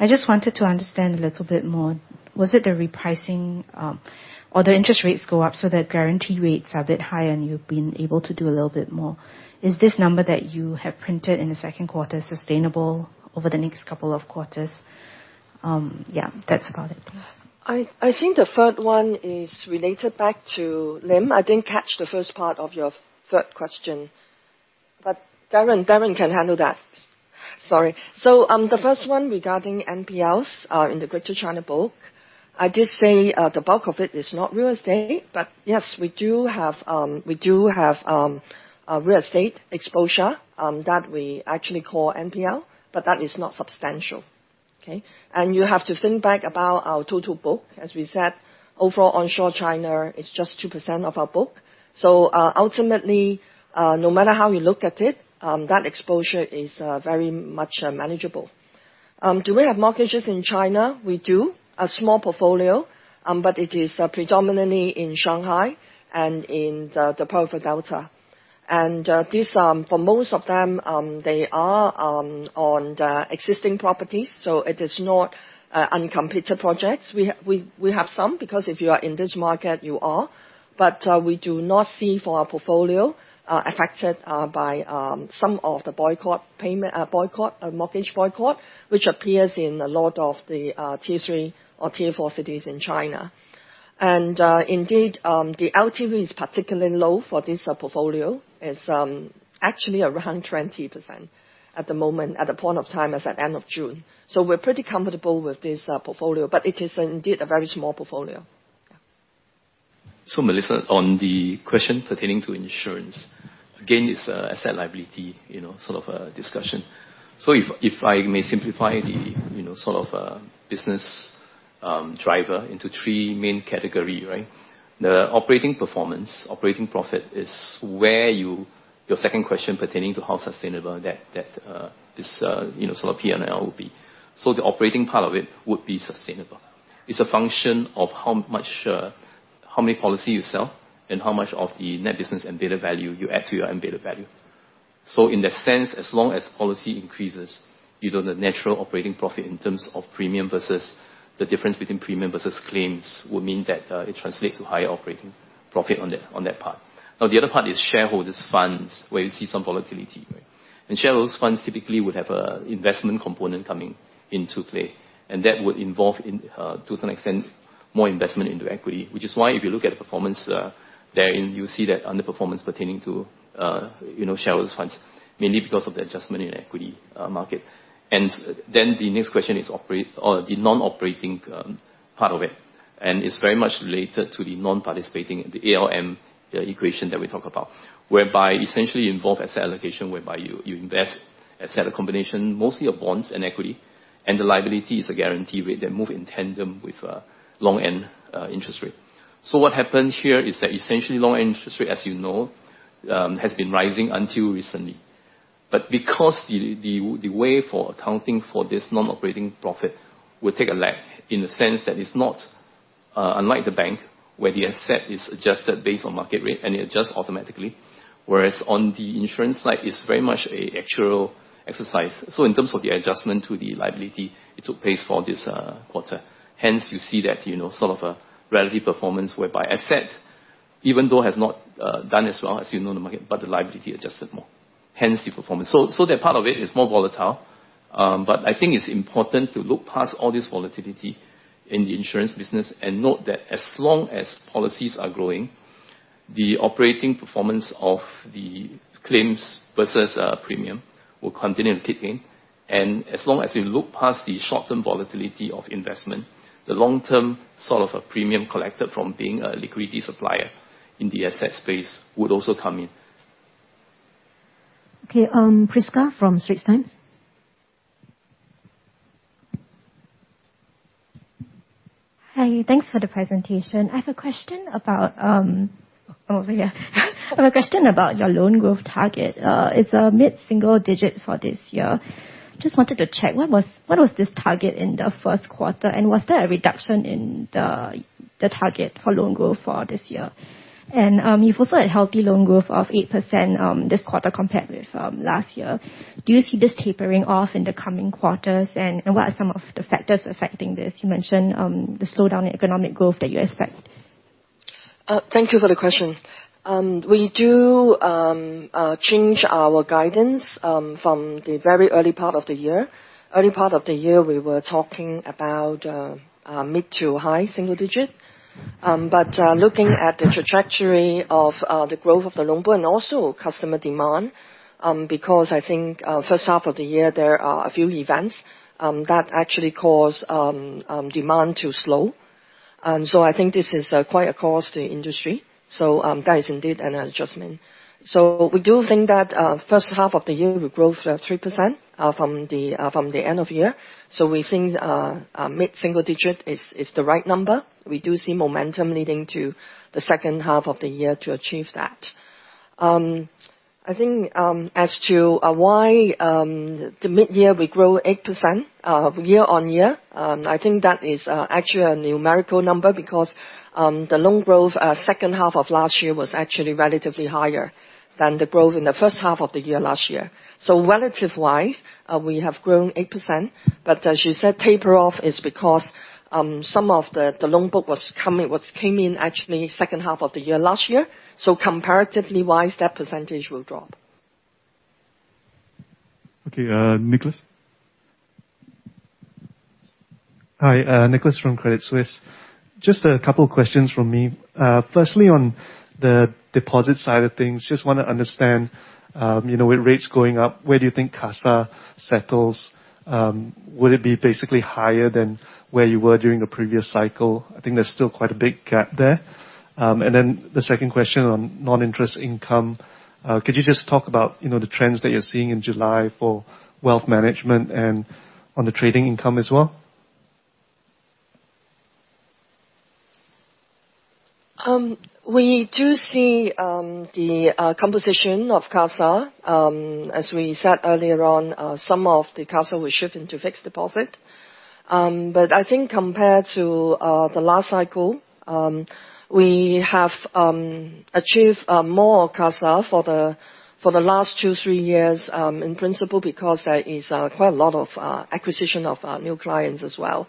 Speaker 14: I just wanted to understand a little bit more. Was it the repricing, or the interest rates go up so that guarantee rates are a bit high and you've been able to do a little bit more? Is this number that you have printed in the second quarter sustainable over the next couple of quarters? Yeah, that's about it.
Speaker 3: I think the third one is related back to NIM. I didn't catch the first part of your third question. Darren can handle that. Sorry. The first one regarding NPLs in the Greater China book, I did say the bulk of it is not real estate. Yes, we do have real estate exposure that we actually call NPL, but that is not substantial. Okay? You have to think back about our total book. As we said, overall onshore China is just 2% of our book. Ultimately, no matter how you look at it, that exposure is very much manageable. Do we have mortgages in China? We do. A small portfolio, but it is predominantly in Shanghai and in the Pearl River Delta. This, for most of them, they are on the existing properties, so it is not uncompleted projects. We have some, because if you are in this market, you are. We do not see for our portfolio affected by some of the mortgage boycott, which appears in a lot of the tier three or tier four cities in China. Indeed, the LTV is particularly low for this portfolio. It's actually around 20% at the moment, at the point of time, as at end of June. We're pretty comfortable with this portfolio, but it is indeed a very small portfolio. Yeah.
Speaker 2: Melissa, on the question pertaining to insurance, again, it's an asset-liability, you know, sort of a discussion. If I may simplify the you know sort of business driver into three main category, right? The operating performance, operating profit is where you. Your second question pertaining to how sustainable that this you know sort of P&L will be. The operating part of it would be sustainable. It's a function of how much how many policy you sell and how much of the net business and beta value you add to your embedded value. In that sense, as long as policy increases, you know, the natural operating profit in terms of premium versus the difference between premium versus claims will mean that it translates to higher operating profit on that part. Now, the other part is shareholders funds, where you see some volatility, right? Shareholders funds typically would have a investment component coming into play, and that would involve in, to some extent, more investment into equity. Which is why if you look at the performance, therein, you see that underperformance pertaining to, you know, shareholders funds, mainly because of the adjustment in equity market. Then the next question is operating or the non-operating, part of it. It's very much related to the non-participating, the ALM, the equation that we talk about. Whereby essentially involve asset allocation, whereby you invest asset combination, mostly of bonds and equity, and the liability is guaranteed to move in tandem with, long end interest rate. What happens here is that essentially long-term interest rate, as you know, has been rising until recently. Because the way for accounting for this non-operating profit will take a lag in the sense that it's not unlike the bank, where the asset is adjusted based on market rate and it adjusts automatically. Whereas on the insurance side, it's very much an actuarial exercise. In terms of the adjustment to the liability, it took place for this quarter. Hence, you see that, you know, sort of a relative performance whereby asset, even though has not done as well as, you know, the market, but the liability adjusted more, hence the performance. That part of it is more volatile. I think it's important to look past all this volatility in the insurance business and note that as long as policies are growing, the operating performance of the claims versus premium will continue to kick in. As long as we look past the short-term volatility of investment, the long-term sort of a premium collected from being a liquidity supplier in the asset space would also come in.
Speaker 1: Okay. Prisca from Straits Times.
Speaker 15: Hi, thanks for the presentation. I have a question about your loan growth target. It's a mid-single-digit for this year. Just wanted to check, what was this target in the first quarter? Was there a reduction in the target for loan growth for this year? You've also had healthy loan growth of 8% this quarter compared with last year. Do you see this tapering off in the coming quarters? What are some of the factors affecting this? You mentioned the slowdown in economic growth that you expect.
Speaker 3: Thank you for the question. We do change our guidance from the very early part of the year. Early part of the year, we were talking about mid to high-single-digit. Looking at the trajectory of the growth of the loan book and also customer demand, because I think first half of the year, there are a few events that actually cause demand to slow. I think this is quite across the industry. That is indeed an adjustment. We do think that first half of the year, we grew 3% from the end of the year. We think a mid-single-digit is the right number. We do see momentum leading to the second half of the year to achieve that. I think, as to why the mid-year we grow 8%, year-on-year, I think that is actually a numerical number because the loan growth second half of last year was actually relatively higher than the growth in the first half of the year last year. Relatively, we have grown 8%, but as you said, taper off is because some of the loan book what came in actually second half of the year last year. Comparatively, that percentage will drop.
Speaker 9: Okay. Nicholas.
Speaker 16: Hi, Nicholas from Credit Suisse. Just a couple of questions from me. Firstly, on the deposit side of things, just wanna understand, you know, with rates going up, where do you think CASA settles? Would it be basically higher than where you were during the previous cycle? I think there's still quite a big gap there. And then the second question on non-interest income, could you just talk about, you know, the trends that you're seeing in July for wealth management and on the trading income as well?
Speaker 3: We do see the composition of CASA. As we said earlier on, some of the CASA was shifted to fixed deposit. I think compared to the last cycle, we have achieved more CASA for the last two, three years, in principle, because there is quite a lot of acquisition of new clients as well.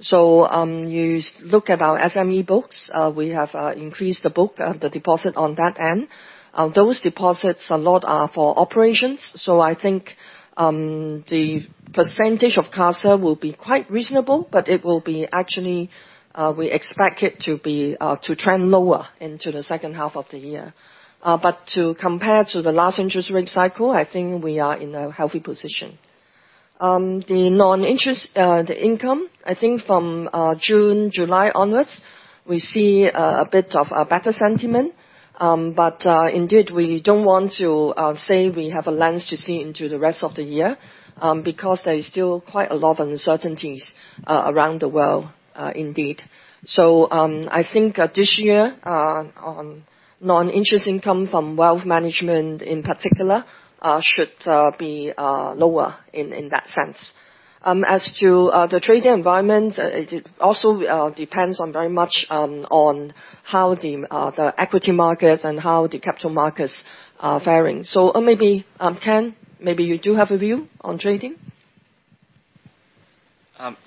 Speaker 3: You look at our SME books, we have increased the book, the deposit on that end. Those deposits, a lot are for operations, so I think the percentage of CASA will be quite reasonable, but actually we expect it to trend lower into the second half of the year. To compare to the last interest rate cycle, I think we are in a healthy position. The non-interest income, I think from June, July onwards, we see a bit of a better sentiment. Indeed, we don't want to say we have a lens to see into the rest of the year, because there is still quite a lot of uncertainties around the world, indeed. I think this year on non-interest income from wealth management in particular should be lower in that sense. As to the trading environment, it also depends very much on how the equity markets and how the capital markets are faring. Maybe, Darren, maybe you do have a view on trading?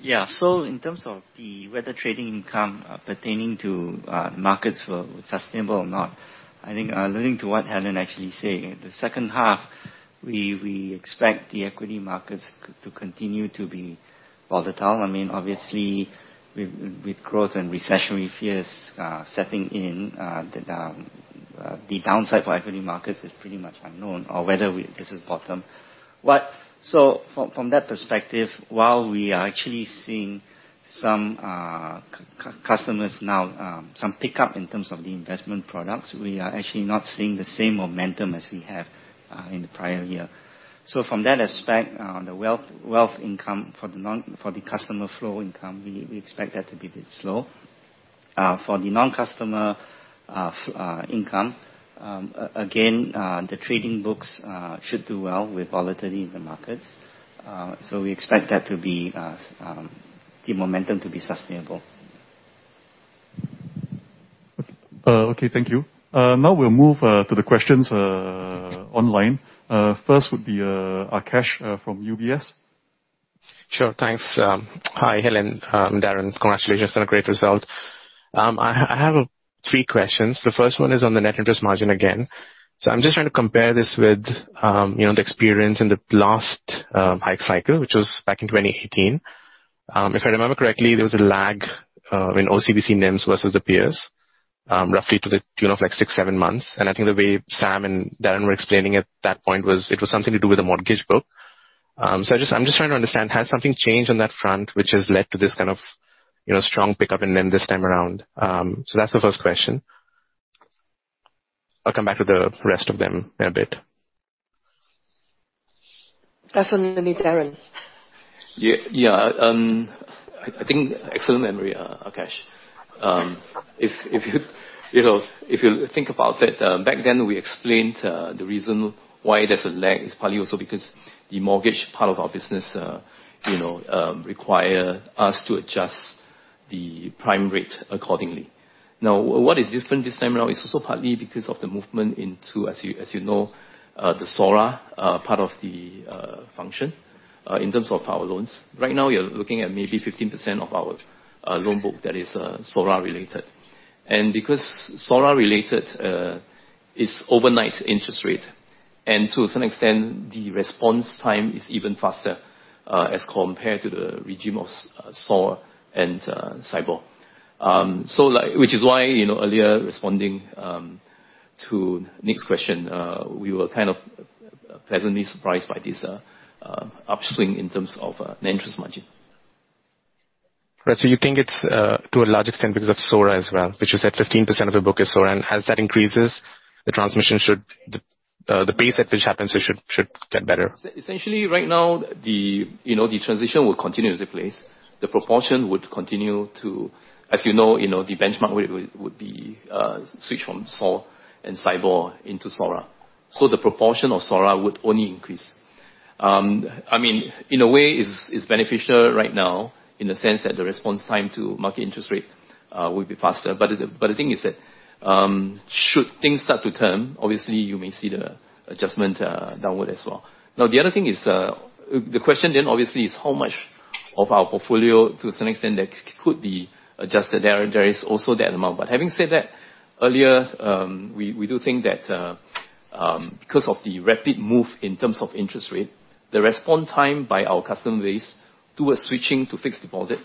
Speaker 2: Yeah. In terms of whether trading income pertaining to markets were sustainable or not, I think, alluding to what Helen actually say, the second half we expect the equity markets to continue to be volatile. I mean, obviously with growth and recessionary fears setting in, the downside for equity markets is pretty much unknown or whether this is bottom. From that perspective, while we are actually seeing some customers now, some pickup in terms of the investment products, we are actually not seeing the same momentum as we have in the prior year. From that aspect, the wealth income for the non-customer flow income, we expect that to be a bit slow. For the non-customer fee income, again, the trading books should do well with volatility in the markets, so we expect the momentum to be sustainable.
Speaker 9: Okay. Thank you. Now we'll move to the questions online. First would be Akash from UBS.
Speaker 17: Sure. Thanks, hi, Helen, Darren. Congratulations on a great result. I have three questions. The first one is on the net interest margin again. I'm just trying to compare this with, you know, the experience in the last hike cycle, which was back in 2018. If I remember correctly, there was a lag in OCBC NIMs versus the peers, roughly to the tune of like six, seven months. I think the way Sam and Darren were explaining at that point was it was something to do with the mortgage book. I'm just trying to understand, has something changed on that front which has led to this kind of, you know, strong pickup in NIM this time around? That's the first question. I'll come back to the rest of them in a bit.
Speaker 3: That one you need Darren.
Speaker 2: Yeah. Yeah. I think excellent memory, Akash. If you know, if you think about it, back then, we explained the reason why there's a lag is partly also because the mortgage part of our business, you know, require us to adjust the prime rate accordingly. Now, what is different this time around is also partly because of the movement into, as you know, the SORA part of the function in terms of our loans. Right now, we are looking at maybe 15% of our loan book that is SORA related. Because SORA related is overnight interest rate, and to some extent, the response time is even faster as compared to the regime of SORA and SIBOR. Which is why, you know, earlier responding to Nick's question, we were kind of pleasantly surprised by this upswing in terms of net interest margin.
Speaker 17: Right. You think it's to a large extent because of SORA as well, which is that 15% of the book is SORA. As that increases, the pace at which it happens should get better.
Speaker 2: Essentially right now, the, you know, the transition will continue to take place. The proportion would continue to. As you know, you know, the benchmark rate would be switch from SOR and SIBOR into SORA, so the proportion of SORA would only increase. I mean, in a way it's beneficial right now in the sense that the response time to market interest rate will be faster. But the, but the thing is that, should things start to turn, obviously you may see the adjustment downward as well. Now, the other thing is, the question then obviously is how much of our portfolio to some extent that could be adjusted there. There is also that amount. Having said that, earlier, we do think that because of the rapid move in terms of interest rate, the response time by our customer base towards switching to fixed deposit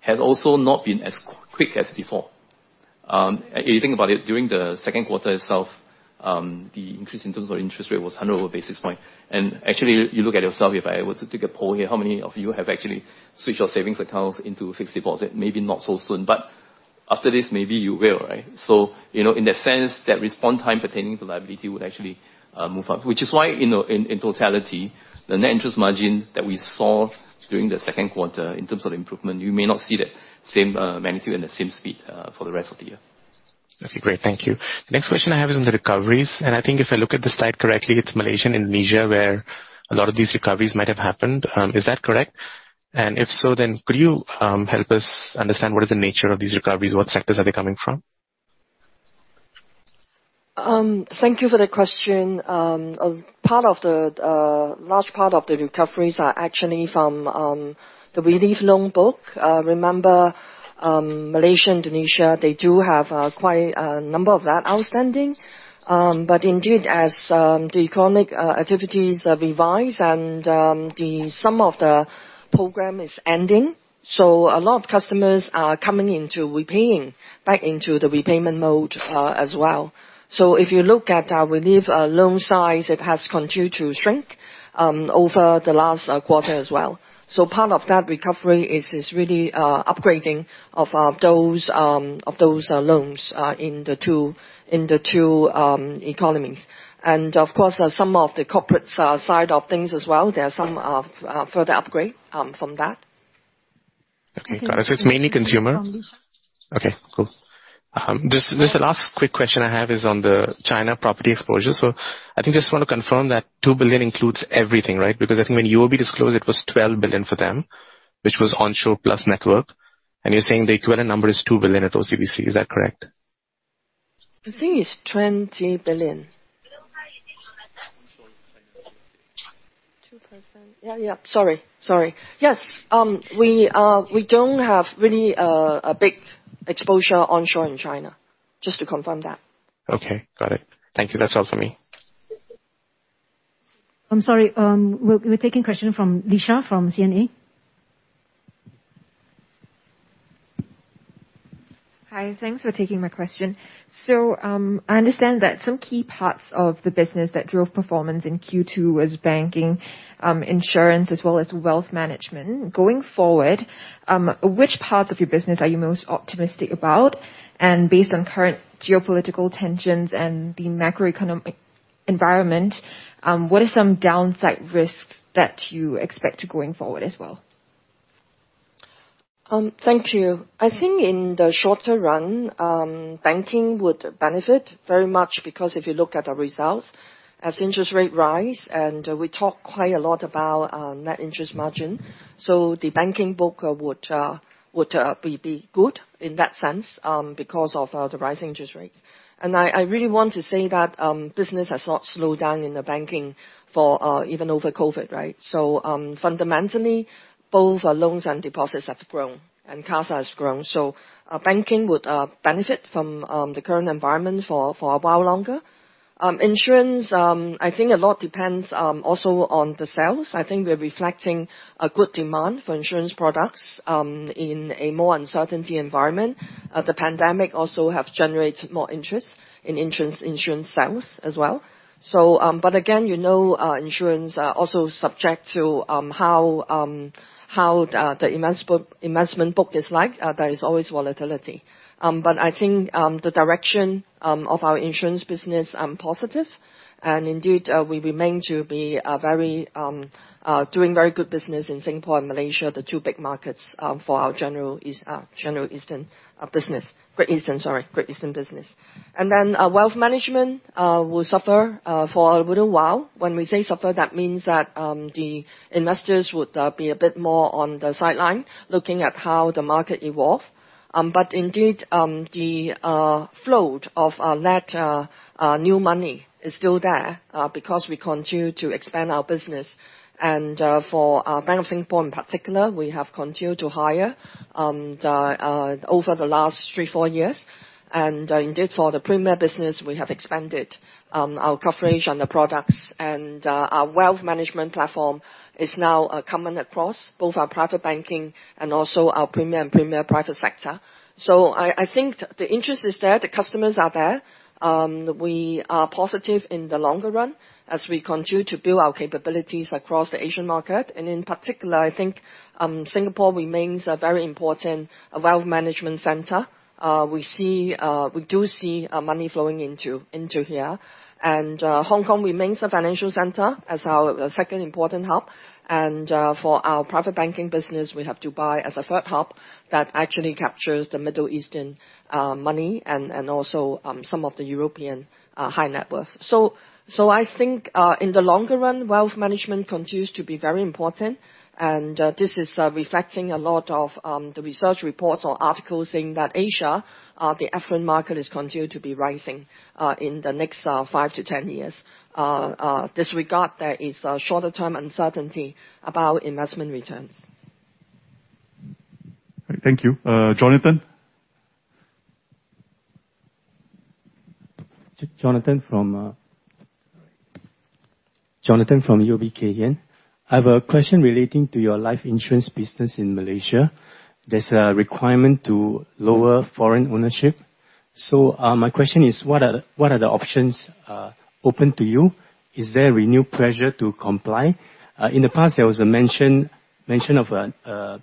Speaker 2: has also not been as quick as before. If you think about it, during the second quarter itself, the increase in terms of interest rate was over 100 basis points. Actually, you look at it yourself, if I were to take a poll here, how many of you have actually switched your savings accounts into fixed deposit? Maybe not so soon, but after this, maybe you will, right? You know, in that sense, that response time pertaining to liability would actually move up. Which is why, you know, in totality, the net interest margin that we saw during the second quarter in terms of improvement, you may not see that same magnitude and the same speed for the rest of the year.
Speaker 17: Okay, great. Thank you. Next question I have is on the recoveries, and I think if I look at the slide correctly, it's Malaysia and Indonesia where a lot of these recoveries might have happened. Is that correct? And if so, then could you help us understand what is the nature of these recoveries? What sectors are they coming from?
Speaker 3: Thank you for the question. A part of the large part of the recoveries are actually from the relief loan book. Remember, Malaysia, Indonesia, they do have quite a number of that outstanding. Indeed, as the economic activities revive and some of the program is ending, a lot of customers are coming into repaying back into the repayment mode as well. If you look at our relief loan size, it has continued to shrink over the last quarter as well. Part of that recovery is really upgrading of those loans in the two economies. Of course, some of the corporate side of things as well, there are some further upgrade from that.
Speaker 17: Okay. Got it. It's mainly consumer?
Speaker 3: From this.
Speaker 17: Okay, cool. This last quick question I have is on the China property exposure. I think I just want to confirm that 2 billion includes everything, right? Because I think when UOB disclosed, it was 12 billion for them, which was onshore plus network, and you're saying the equivalent number is 2 billion at OCBC, is that correct?
Speaker 3: The thing is 20 billion. 2%. Yeah, yeah. Sorry. Yes, we don't have really a big exposure onshore in China, just to confirm that.
Speaker 17: Okay, got it. Thank you. That's all for me.
Speaker 1: I'm sorry. We're taking question from Lisha from CNA.
Speaker 18: Hi. Thanks for taking my question. I understand that some key parts of the business that drove performance in Q2 was banking, insurance, as well as wealth management. Going forward, which parts of your business are you most optimistic about? Based on current geopolitical tensions and the macroeconomic environment, what are some downside risks that you expect going forward as well?
Speaker 3: Thank you. I think in the shorter run, banking would benefit very much because if you look at our results, as interest rates rise, and we talk quite a lot about net interest margin, the banking book would be good in that sense, because of the rising interest rates. I really want to say that business has not slowed down in the banking for even over COVID, right? Fundamentally, both our loans and deposits have grown and cash has grown. Banking would benefit from the current environment for a while longer. Insurance, I think a lot depends also on the sales. I think we're reflecting a good demand for insurance products in a more uncertain environment. The pandemic also have generated more interest in insurance sales as well. Again, you know, insurance are also subject to how the investment book is like. There is always volatility. I think the direction of our insurance business positive. Indeed, we remain to be doing very good business in Singapore and Malaysia, the two big markets for our Great Eastern business. Wealth management will suffer for a little while. When we say suffer, that means that the investors would be a bit more on the sideline, looking at how the market evolve. Indeed, the float of that new money is still there, because we continue to expand our business. For Bank of Singapore in particular, we have continued to hire over the last three to four years. Indeed, for the premier business, we have expanded our coverage on the products and our wealth management platform is now coming across both our private banking and also our premium private sector. I think the interest is there, the customers are there. We are positive in the longer run as we continue to build our capabilities across the Asian market. In particular, I think Singapore remains a very important wealth management center. We do see money flowing into here. Hong Kong remains a financial center as our second important hub. For our private banking business, we have Dubai as a third hub that actually captures the Middle Eastern money and also some of the European high net worth. I think in the longer run, wealth management continues to be very important. This is reflecting a lot of the research reports or articles saying that Asia, the affluent market is continued to be rising in the next five to 10 years. Disregard there is a shorter term uncertainty about investment returns.
Speaker 9: Thank you. Jonathan?
Speaker 19: Jonathan from UOB Kay Hian. I have a question relating to your life insurance business in Malaysia. There's a requirement to lower foreign ownership. My question is what are the options open to you? Is there a renewed pressure to comply? In the past there was a mention of a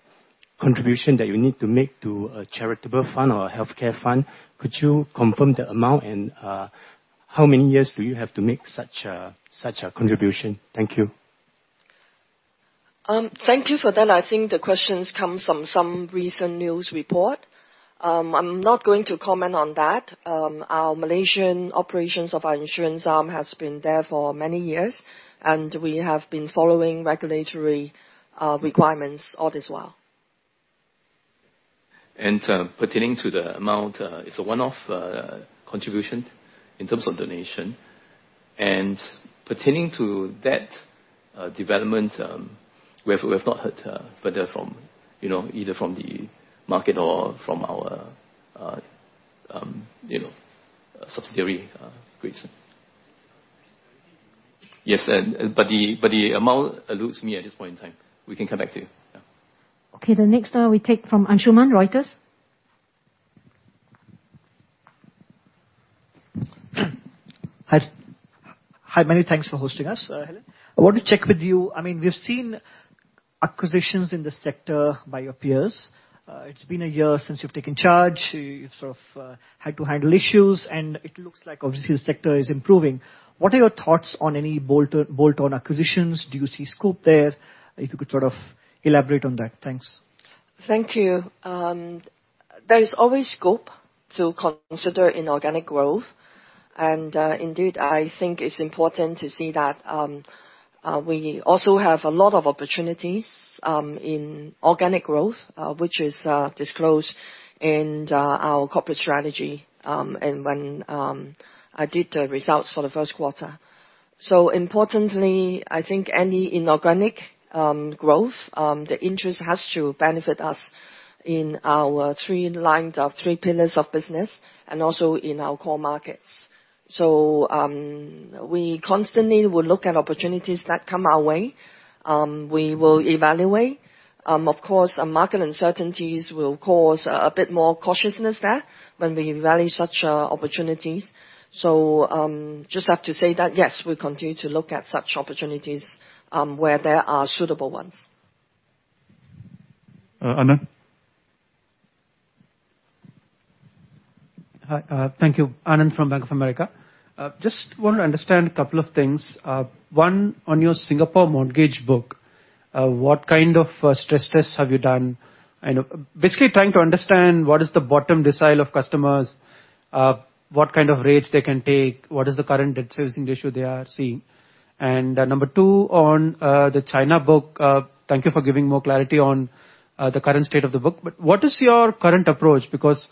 Speaker 19: contribution that you need to make to a charitable fund or a healthcare fund. Could you confirm the amount and how many years do you have to make such a contribution? Thank you.
Speaker 3: Thank you for that. I think the questions come from some recent news report. I'm not going to comment on that. Our Malaysian operations of our insurance arm has been there for many years, and we have been following regulatory requirements all this while.
Speaker 2: Pertaining to the amount, it's a one-off contribution in terms of donation. Pertaining to that development, we've not heard further. You know, either from the market or from our subsidiary, Great Eastern. Yes, but the amount eludes me at this point in time. We can come back to you. Yeah.
Speaker 1: Okay. The next, we take from Anshuman, Reuters.
Speaker 20: Hi. Hi, many thanks for hosting us, Helen. I want to check with you. I mean, we've seen acquisitions in this sector by your peers. It's been a year since you've taken charge. You've sort of had to handle issues, and it looks like obviously the sector is improving. What are your thoughts on any bolt-on acquisitions? Do you see scope there? If you could sort of elaborate on that. Thanks.
Speaker 3: Thank you. There is always scope to consider inorganic growth. Indeed, I think it's important to see that we also have a lot of opportunities in organic growth, which is disclosed in our corporate strategy and when I did the results for the first quarter. Importantly, I think any inorganic growth, the interest has to benefit us in our three lines of three pillars of business and also in our core markets. We constantly will look at opportunities that come our way. We will evaluate. Of course, market uncertainties will cause a bit more cautiousness there when we evaluate such opportunities. Just have to say that, yes, we continue to look at such opportunities where there are suitable ones.
Speaker 9: Anand?
Speaker 21: Hi. Thank you. Anand from Bank of America. Just want to understand a couple of things. One, on your Singapore mortgage book, what kind of stress tests have you done? Basically, trying to understand what is the bottom decile of customers, what kind of rates they can take, what is the current debt servicing ratio they are seeing. Number two, on the China book, thank you for giving more clarity on the current state of the book. What is your current approach? Because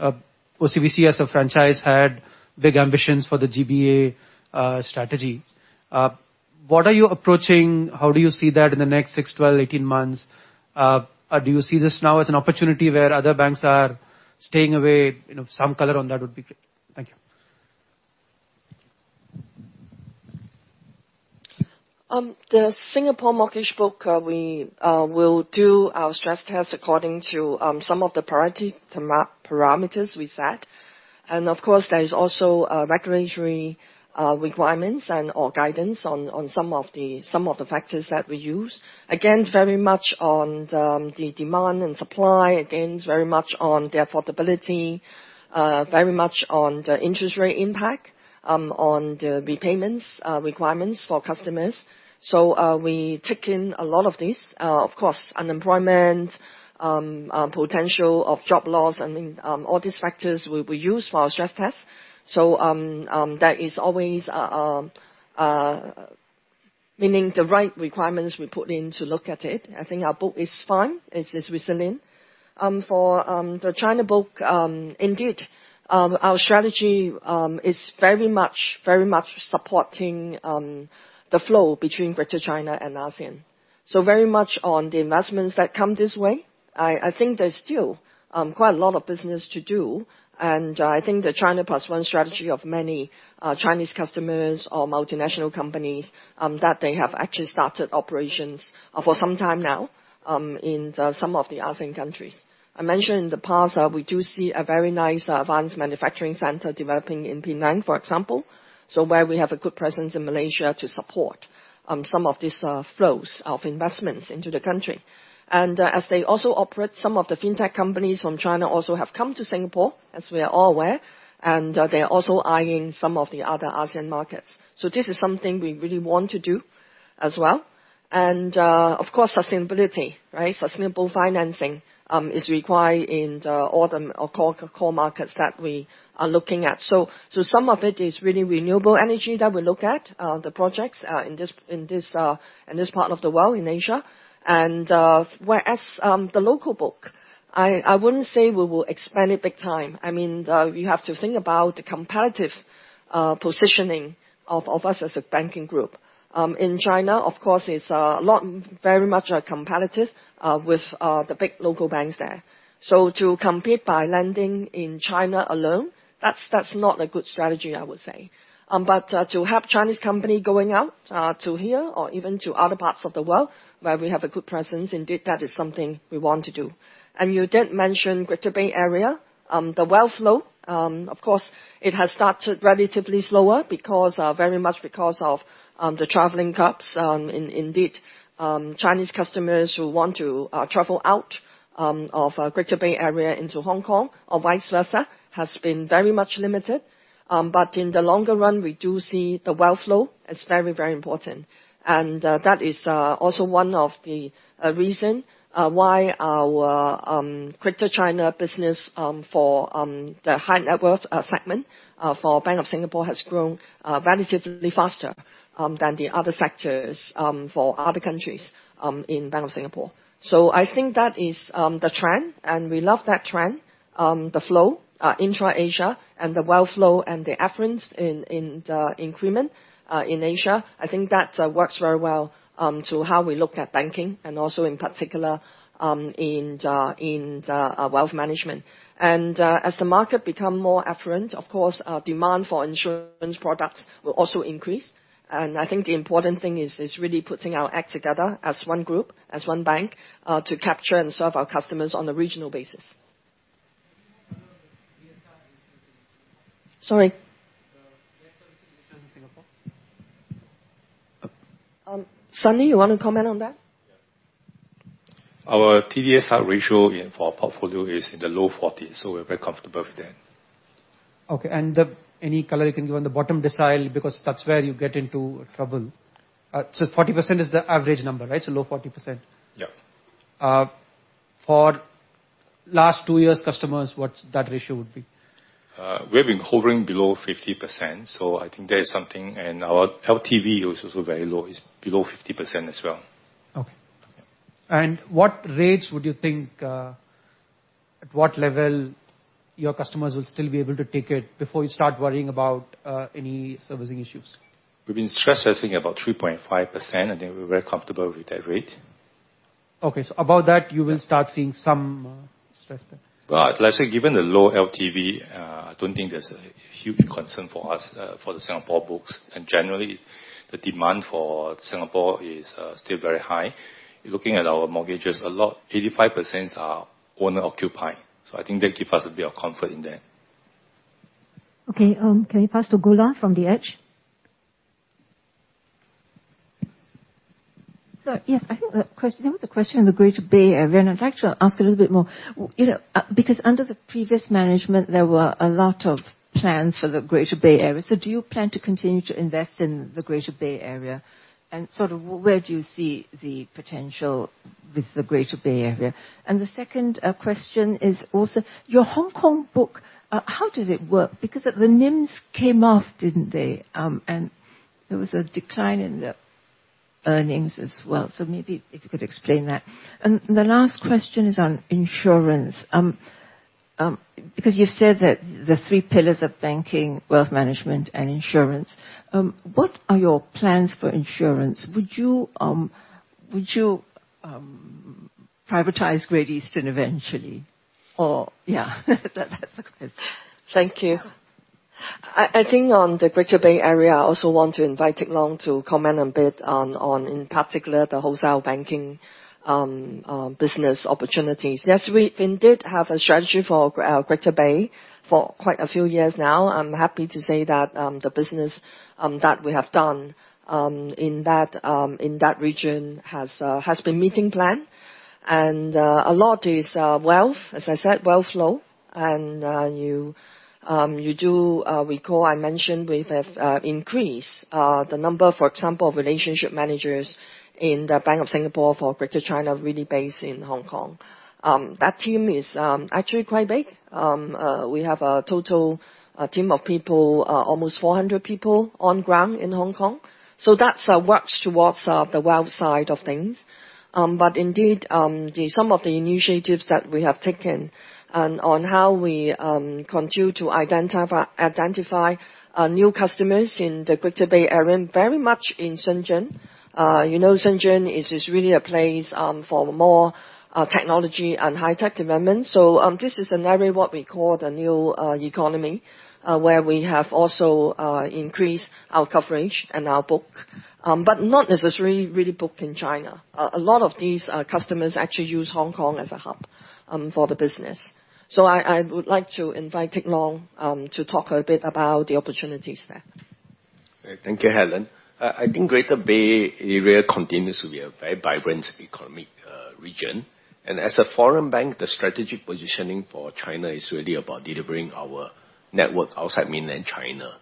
Speaker 21: OCBC as a franchise had big ambitions for the GBA strategy. What are you approaching? How do you see that in the next six, 12, 18 months? Do you see this now as an opportunity where other banks are staying away? You know, some color on that would be great. Thank you.
Speaker 3: The Singapore mortgage book, we will do our stress test according to some of the priority parameters we set. Of course, there is also regulatory requirements or guidance on some of the factors that we use. Again, very much on the demand and supply. Again, it's very much on the affordability, very much on the interest rate impact on the repayments requirements for customers. We take in a lot of this. Of course, unemployment potential of job loss, I mean, all these factors we use for our stress test. That is always meaning the right requirements we put in to look at it. I think our book is fine as is resilient. For the China book, indeed, our strategy is very much supporting the flow between Greater China and ASEAN. Very much on the investments that come this way. I think there's still quite a lot of business to do. I think the China Plus One strategy of many Chinese customers or multinational companies that they have actually started operations for some time now in some of the ASEAN countries. I mentioned in the past that we do see a very nice advanced manufacturing center developing in Penang, for example, where we have a good presence in Malaysia to support some of these flows of investments into the country. As they also operate, some of the fintech companies from China also have come to Singapore, as we are all aware, and they are also eyeing some of the other ASEAN markets. This is something we really want to do as well. Of course, sustainability, right? Sustainable financing is required in all the core markets that we are looking at. Some of it is really renewable energy that we look at, the projects in this part of the world in Asia. Whereas the local book, I wouldn't say we will expand it big time. I mean, you have to think about the competitive positioning of us as a banking group. In China, of course, it's not very competitive with the big local banks there. To compete by lending in China alone, that's not a good strategy, I would say. But to have Chinese company going out to here or even to other parts of the world where we have a good presence, indeed, that is something we want to do. You did mention Greater Bay Area. The wealth flow, of course, it has started relatively slower because very much because of the traveling caps. Indeed, Chinese customers who want to travel out of a Greater Bay Area into Hong Kong or vice versa has been very much limited. In the longer run, we do see the wealth flow as very, very important. That is also one of the reason why our Greater China business for the high net worth segment for Bank of Singapore has grown relatively faster than the other sectors for other countries in Bank of Singapore. I think that is the trend, and we love that trend. The flow intra-Asia and the wealth flow and the increasing affluence in Asia, I think that works very well to how we look at banking and also in particular in the wealth management. As the market become more affluent, of course, our demand for insurance products will also increase. I think the important thing is really putting our act together as one group, as one bank, to capture and serve our customers on a regional basis. Sorry.
Speaker 21: The Debt Servicing Ratio in Singapore?
Speaker 3: Sunny, you wanna comment on that?
Speaker 12: Our TDSR ratio for our portfolio is in the low 40%, so we're very comfortable with that.
Speaker 21: Okay. Then any color you can give on the bottom decile, because that's where you get into trouble. 40% is the average number, right? Low 40%.
Speaker 12: Yep.
Speaker 21: For last two years' customers, what that ratio would be?
Speaker 12: We've been hovering below 50%, so I think there is something and our LTV is also very low. It's below 50% as well.
Speaker 21: Okay.
Speaker 12: Yeah.
Speaker 21: What rates would you think, at what level your customers will still be able to take it before you start worrying about, any servicing issues?
Speaker 12: We've been stress testing about 3.5%, and think we're very comfortable with that rate.
Speaker 21: Okay. Above that.
Speaker 12: Yeah.
Speaker 21: You will start seeing some stress there.
Speaker 12: Let's say, given the low LTV, I don't think there's a huge concern for us, for the Singapore books. Generally, the demand for Singapore is still very high. Looking at our mortgages a lot, 85% are owner-occupied, so I think that give us a bit of comfort in that.
Speaker 3: Okay. Can we pass to Goola from The Edge?
Speaker 22: Sir, yes. I think the question there was a question in the Greater Bay Area, and I'd like to ask a little bit more. You know, because under the previous management, there were a lot of plans for the Greater Bay Area. Do you plan to continue to invest in the Greater Bay Area? Sort of where do you see the potential with the Greater Bay Area? The second question is also your Hong Kong book, how does it work? Because the NIMs came off, didn't they? There was a decline in the earnings as well. Maybe if you could explain that. The last question is on insurance. Because you said that the three pillars of banking, wealth management, and insurance, what are your plans for insurance? Would you privatize Great Eastern eventually? Yeah, that's the question. Thank you.
Speaker 3: I think on the Greater Bay Area, I also want to invite Teck Long to comment a bit on in particular the wholesale banking business opportunities. Yes, we indeed have a strategy for Greater Bay for quite a few years now. I'm happy to say that the business that we have done in that region has been meeting plan. A lot is wealth flow, as I said. You do recall I mentioned we have increased the number, for example, of relationship managers in the Bank of Singapore for Greater China really based in Hong Kong. That team is actually quite big. We have a total team of people almost 400 people on ground in Hong Kong. That's works towards the wealth side of things. Indeed, some of the initiatives that we have taken and on how we continue to identify new customers in the Greater Bay Area and very much in Shenzhen. You know, Shenzhen is really a place for more technology and high-tech development. This is an area what we call the new economy where we have also increased our coverage and our book. Not necessarily really book in China. A lot of these customers actually use Hong Kong as a hub for the business. I would like to invite Teck Long to talk a bit about the opportunities there.
Speaker 23: Thank you, Helen. I think Greater Bay Area continues to be a very vibrant economic region. As a foreign bank, the strategic positioning for China is really about delivering our network outside mainland China.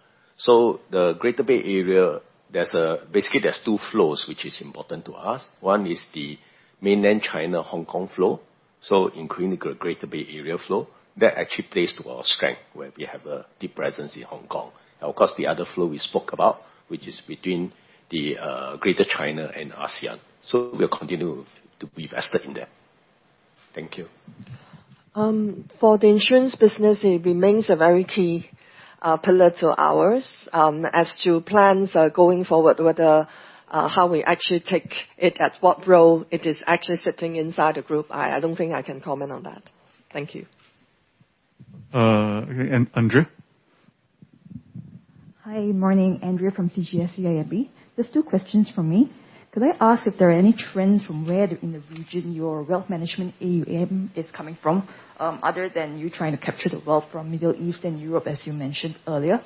Speaker 23: The Greater Bay Area, there's two flows which is important to us. One is the mainland China/Hong Kong flow, so increasing Greater Bay Area flow. That actually plays to our strength, where we have a deep presence in Hong Kong. Of course, the other flow we spoke about, which is between the Greater China and ASEAN. We'll continue to be invested in that. Thank you.
Speaker 3: For the insurance business, it remains a very key pillar to ours. As to plans going forward, whether how we actually take it, at what role it is actually sitting inside the group, I don't think I can comment on that. Thank you.
Speaker 9: Andrea?
Speaker 24: Hi. Morning. Andrea from CGS-CIMB. There's two questions from me. Could I ask if there are any trends from where in the region your wealth management AUM is coming from, other than you trying to capture the wealth from Middle East and Europe, as you mentioned earlier?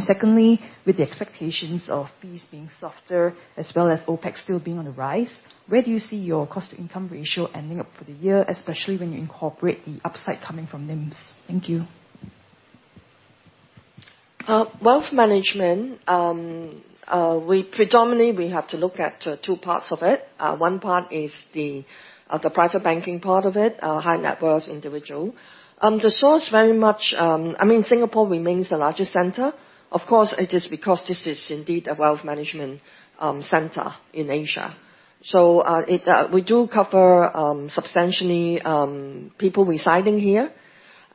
Speaker 24: Secondly, with the expectations of fees being softer as well as OpEx still being on the rise, where do you see your cost-to-income ratio ending up for the year, especially when you incorporate the upside coming from NIMs? Thank you.
Speaker 3: Wealth management, we predominantly have to look at two parts of it. One part is the private banking part of it, high net worth individual. The source very much, I mean, Singapore remains the largest center. Of course, it is because this is indeed a wealth management center in Asia. We do cover substantially people residing here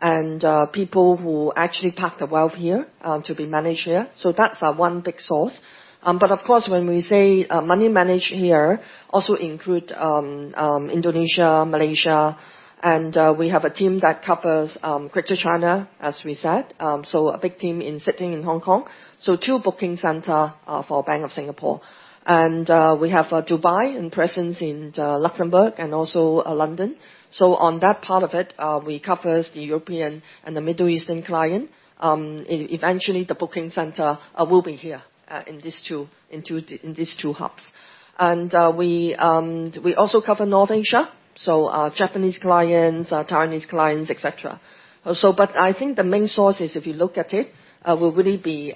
Speaker 3: and people who actually park their wealth here to be managed here. That's one big source. But of course, when we say money managed here, also include Indonesia, Malaysia, and we have a team that covers Greater China, as we said, so a big team sitting in Hong Kong. Two booking center for Bank of Singapore. We have Dubai and presence in Luxembourg and also London. On that part of it, we cover the European and the Middle Eastern clients. Eventually the booking center will be here in these two hubs. We also cover North Asia, so our Japanese clients, our Chinese clients, et cetera. I think the main source is, if you look at it, will really be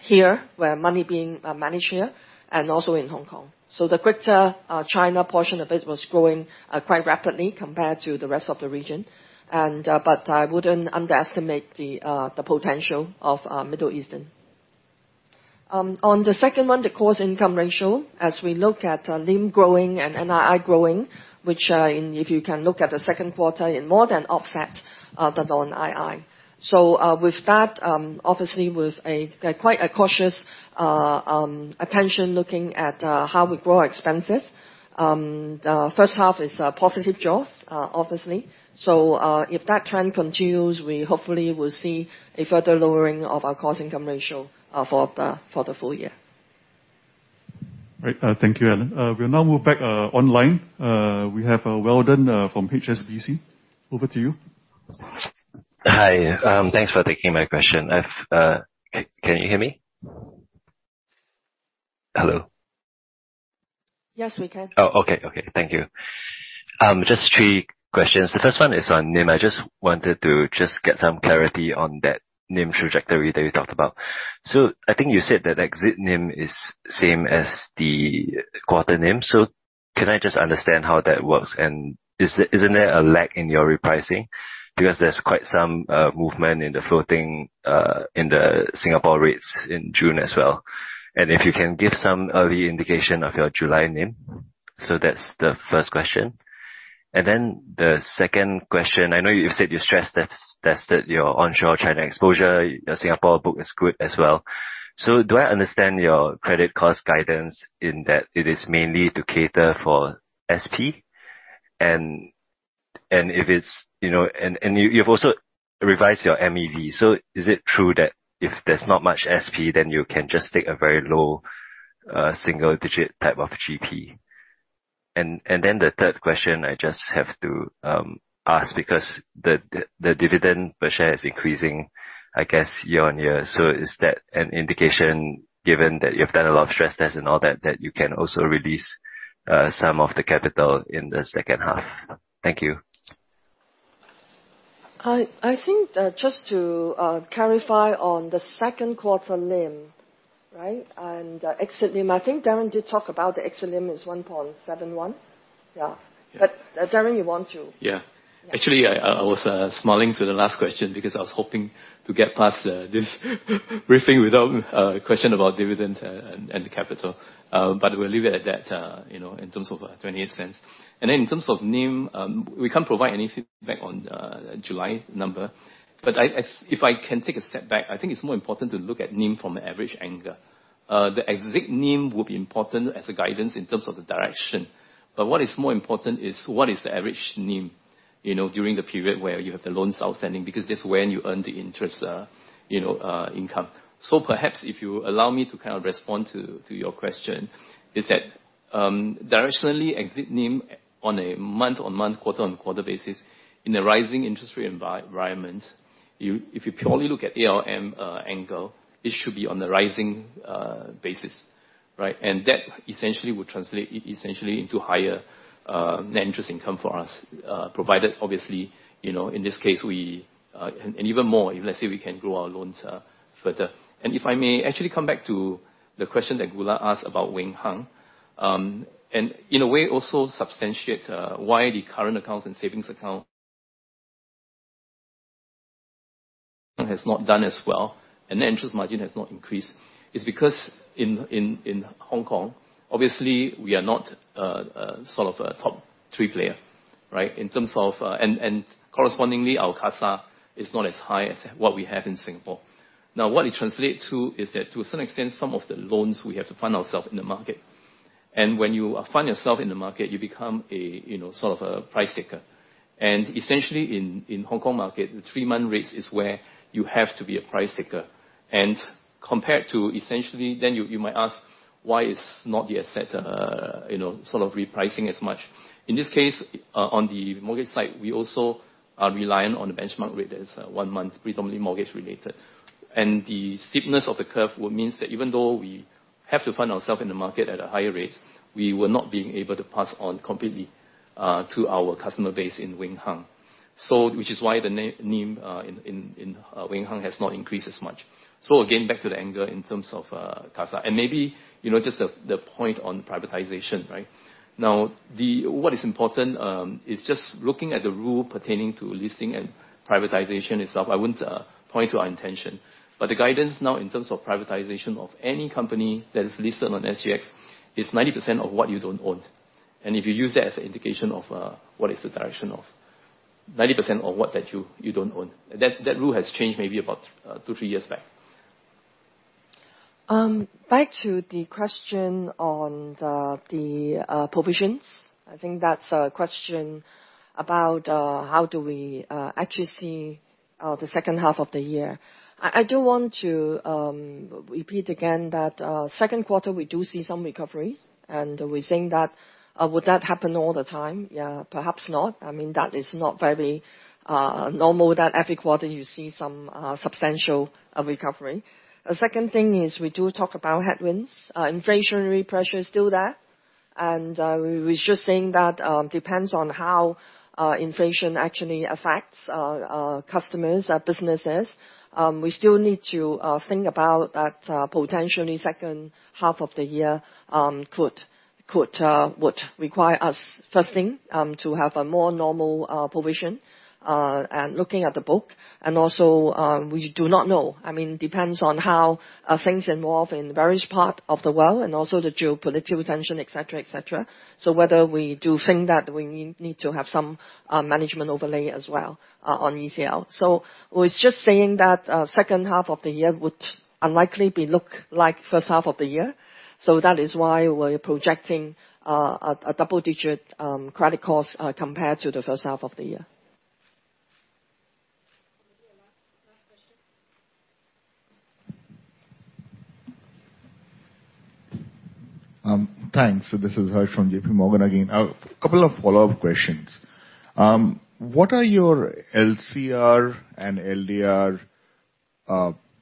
Speaker 3: here, where money being managed here and also in Hong Kong. The Greater China portion of it was growing quite rapidly compared to the rest of the region and I wouldn't underestimate the potential of Middle East. On the second one, the cost-income ratio, as we look at NIM growing and NII growing, which if you can look at the second quarter, it more than offset the non-NII. With that, obviously with a quite cautious approach to how we grow our expenses. The first half is positive, obviously. If that trend continues, we hopefully will see a further lowering of our cost-income ratio for the full year.
Speaker 9: Right. Thank you, Helen. We'll now move back online. We have Weldon from HSBC. Over to you.
Speaker 25: Hi. Thanks for taking my question. Can you hear me? Hello.
Speaker 3: Yes, we can.
Speaker 25: Thank you. Just three questions. The first one is on NIM. I just wanted to just get some clarity on that NIM trajectory that you talked about. I think you said that exit NIM is same as the quarter NIM. Can I just understand how that works? Isn't there a lag in your repricing? Because there's quite some movement in the floating rates in Singapore in June as well. If you can give some early indication of your July NIM. That's the first question. Then the second question, I know you've said you stress tested your onshore China exposure. Your Singapore book is good as well. Do I understand your credit cost guidance in that it is mainly to cater for SP? And if it's, you know. You've also revised your MEVs. Is it true that if there's not much SP, then you can just take a very low single digit type of GP? The third question I just have to ask because the dividend per share is increasing, I guess, year-on-year. Is that an indication, given that you've done a lot of stress tests and all that you can also release some of the capital in the second half? Thank you.
Speaker 3: I think just to clarify on the second quarter NIM, right? Exit NIM, I think Darren did talk about the exit NIM is 1.71%. Yeah.
Speaker 2: Yeah.
Speaker 3: Darren, you want to-
Speaker 2: Yeah.
Speaker 3: Yeah.
Speaker 2: Actually, I was smiling to the last question because I was hoping to get past this briefing without a question about dividend and the capital. We'll leave it at that, you know, in terms of 0.28. Then in terms of NIM, we can't provide any feedback on the July number. If I can take a step back, I think it's more important to look at NIM from an average angle. The exit NIM will be important as a guidance in terms of the direction. What is more important is what is the average NIM, you know, during the period where you have the loans outstanding, because that's when you earn the interest, you know, income. Perhaps if you allow me to kind of respond to your question, directionally, exit NIM on a month-on-month, quarter-on-quarter basis, in a rising interest rate environment, if you purely look at ALM angle, it should be on the rising basis, right? That essentially would translate into higher net interest income for us, provided obviously, you know, in this case, we even more if let's say we can grow our loans further. If I may actually come back to the question that Goola asked about Wing Hang. In a way also substantiate why the current accounts and savings account has not done as well, and the interest margin has not increased, is because in Hong Kong, obviously we are not sort of a top three player, right? Correspondingly, our CASA is not as high as what we have in Singapore. Now, what it translates to is that to a certain extent, some of the loans we have to fund ourselves in the market. When you fund yourself in the market, you become a you know, sort of a price taker. Essentially in Hong Kong market, the three-month rates is where you have to be a price taker. Compared to essentially, then you might ask, why is not the asset you know, sort of repricing as much? In this case, on the mortgage side, we also are reliant on the benchmark rate that is, one month, predominantly mortgage related. The steepness of the curve would mean that even though we have to find ourselves in the market at a higher rate, we were not being able to pass on completely, to our customer base in Wing Hang. Which is why the NIM in Wing Hang has not increased as much. Again, back to the angle in terms of, CASA. Maybe, you know, just the point on privatization, right? Now, what is important, is just looking at the rule pertaining to leasing and privatization itself. I wouldn't point to our intention. The guidance now in terms of privatization of any company that is listed on SGX is 90% of what you don't own. If you use that as an indication of what is the direction of 90% of what you don't own. That rule has changed maybe about two to three years back.
Speaker 3: Back to the question on the provisions. I think that's a question about how do we actually see the second half of the year. I do want to repeat again that second quarter, we do see some recoveries, and we're saying that would that happen all the time? Yeah, perhaps not. I mean, that is not very normal that every quarter you see some substantial recovery. The second thing is we do talk about headwinds. Inflationary pressure is still there, and we're just saying that depends on how inflation actually affects our customers, our businesses. We still need to think about that potentially second half of the year could would require us, first thing, to have a more normal provision. Looking at the book, we do not know. I mean, depends on how things evolve in various parts of the world and also the geopolitical tensions, et cetera, et cetera. Whether we do think that we need to have some management overlay as well on ECL. We're just saying that second half of the year would unlikely look like first half of the year. That is why we're projecting a double-digit credit cost compared to the first half of the year.
Speaker 1: Maybe a last question.
Speaker 7: Thanks. This is Harsh Modi from JP Morgan again. A couple of follow-up questions. What are your LCR and LDR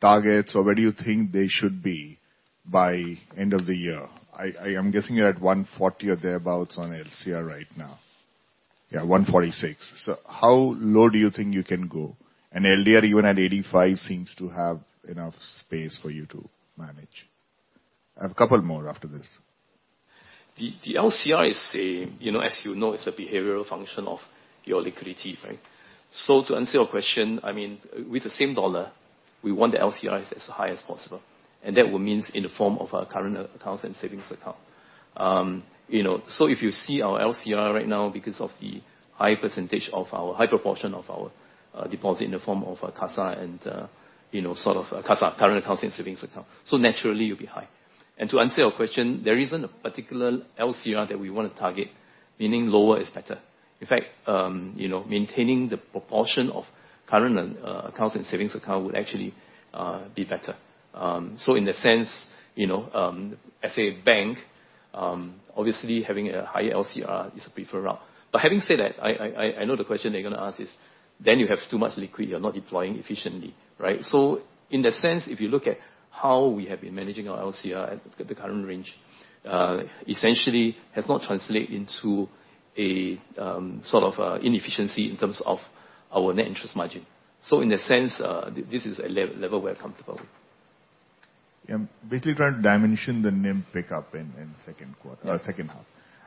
Speaker 7: targets, or where do you think they should be by end of the year? I am guessing you're at 140% or thereabouts on LCR right now. Yeah, 146%. So how low do you think you can go? LDR even at 85% seems to have enough space for you to manage. I have a couple more after this.
Speaker 2: The LCR is a, you know, as you know, it's a behavioral function of your liquidity, right? To answer your question, I mean, with the same dollar, we want the LCR as high as possible, and that will means in the form of a current accounts and savings account. You know, if you see our LCR right now because of the high proportion of our deposit in the form of CASA and, you know, sort of a CASA, current accounts and savings account, naturally it'll be high. To answer your question, there isn't a particular LCR that we wanna target, meaning lower is better. In fact, you know, maintaining the proportion of current and accounts and savings account would actually be better. In that sense, you know, as a bank, obviously having a high LCR is preferred route. But having said that, I know the question you're gonna ask is, then you have too much liquidity, you're not deploying efficiently, right? In that sense, if you look at how we have been managing our LCR at the current range, essentially has not translate into a sort of inefficiency in terms of our net interest margin. In that sense, this is a level we're comfortable with.
Speaker 7: Yeah. Basically trying to dimension the NIM pickup in second quarter or second half.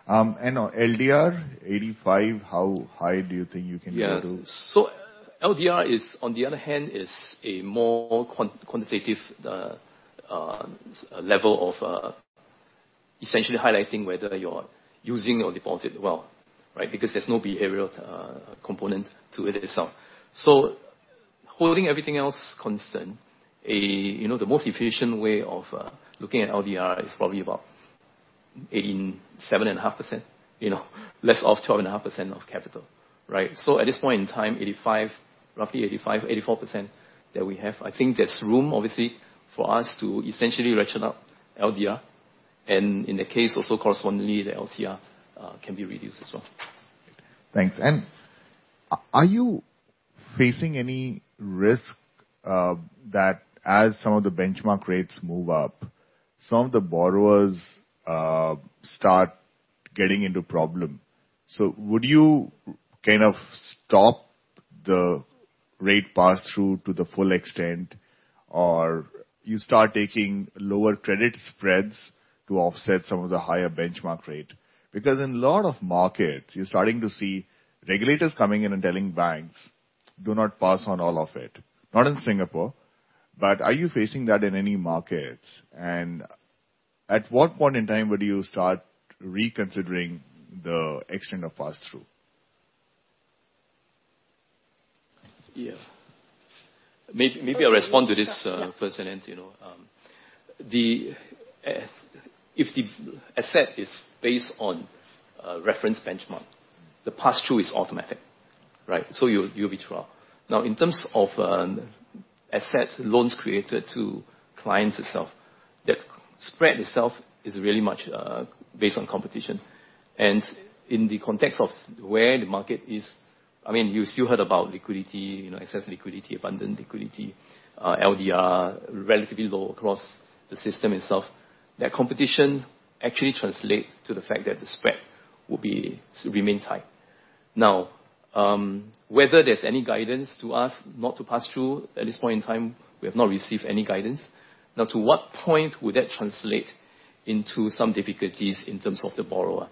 Speaker 7: On LDR, 85%, how high do you think you can be able to?
Speaker 2: Yeah. LDR is, on the other hand, a more quantitative level of essentially highlighting whether you're using your deposit well, right? Because there's no behavioral component to it itself. Holding everything else constant, you know, the most efficient way of looking at LDR is probably about 87.5%, you know, less 2.5% of capital, right? At this point in time, 85%, roughly 85%, 84% that we have. I think there's room obviously for us to essentially ratchet up LDR, and in that case, also correspondingly, the LCR can be reduced as well.
Speaker 7: Thanks. Are you facing any risk that as some of the benchmark rates move up, some of the borrowers start getting into problem? Would you kind of stop the rate pass-through to the full extent, or you start taking lower credit spreads to offset some of the higher benchmark rate? Because in a lot of markets, you're starting to see regulators coming in and telling banks, "Do not pass on all of it." Not in Singapore, but are you facing that in any markets? At what point in time would you start reconsidering the extent of pass-through?
Speaker 2: Yeah. Maybe I'll respond to this first and then, you know, if the asset is based on a reference benchmark, the pass-through is automatic, right? So it'll be true. Now, in terms of assets, loans created to clients itself, that spread itself is really much based on competition. In the context of where the market is, I mean, you still heard about liquidity, you know, excess liquidity, abundant liquidity, LDR relatively low across the system itself. That competition actually translate to the fact that the spread will be still remain tight. Now, whether there's any guidance to us not to pass through, at this point in time we have not received any guidance. Now, to what point would that translate into some difficulties in terms of the borrower?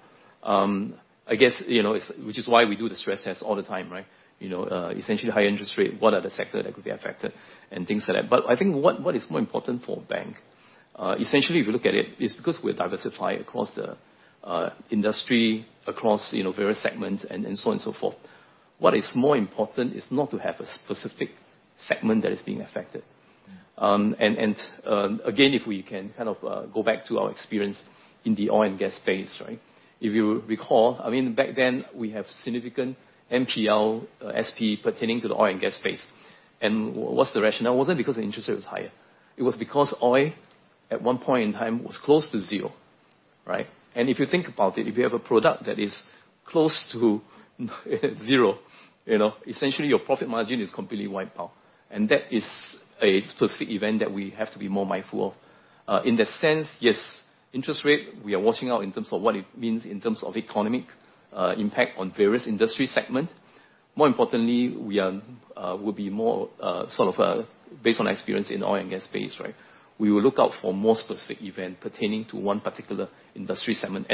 Speaker 2: I guess, you know, it's Which is why we do the stress test all the time, right? You know, essentially higher interest rate, what are the sectors that could be affected and things like that. I think what is more important for a bank, essentially if you look at it's because we are diversified across the industry, across, you know, various segments and so on and so forth. What is more important is not to have a specific segment that is being affected. Again, if we can kind of go back to our experience in the oil and gas space, right? If you recall, I mean, back then we have significant NPL, SP pertaining to the oil and gas space. What's the rationale? It wasn't because the interest rate was higher. It was because oil at one point in time was close to zero, right? If you think about it, if you have a product that is close to zero, you know, essentially your profit margin is completely wiped out. That is a specific event that we have to be more mindful of. In that sense, yes, interest rate we are watching out in terms of what it means in terms of economic impact on various industry segment. More importantly, we will be more sort of based on experience in oil and gas space, right? We will look out for more specific event pertaining to one particular industry segment.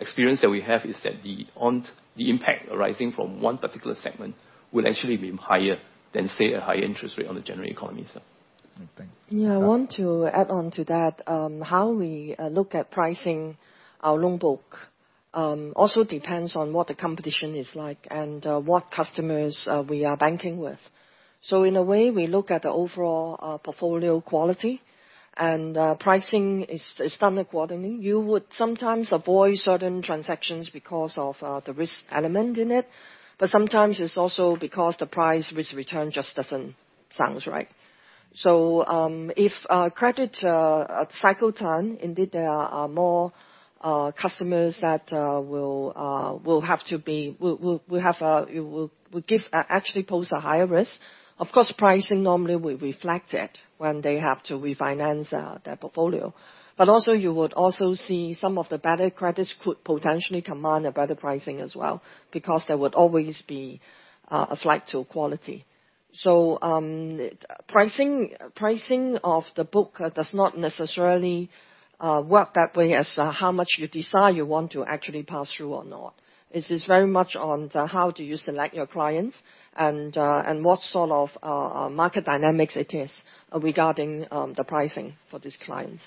Speaker 2: The experience that we have is that the impact arising from one particular segment will actually be higher than, say, a high interest rate on the general economy itself.
Speaker 7: Okay. Thanks.
Speaker 3: Yeah. I want to add on to that. How we look at pricing our loan book also depends on what the competition is like and what customers we are banking with. In a way, we look at the overall portfolio quality and pricing is done accordingly. You would sometimes avoid certain transactions because of the risk element in it, but sometimes it's also because the price risk return just doesn't sound right. If credit cycle turn, indeed there are more customers that will actually pose a higher risk. Of course, pricing normally will reflect it when they have to refinance their portfolio. Also you would also see some of the better credits could potentially command a better pricing as well, because there would always be a flight to quality. Pricing of the book does not necessarily work that way as how much you desire you want to actually pass through or not. It is very much on the how do you select your clients and what sort of market dynamics it is regarding the pricing for these clients.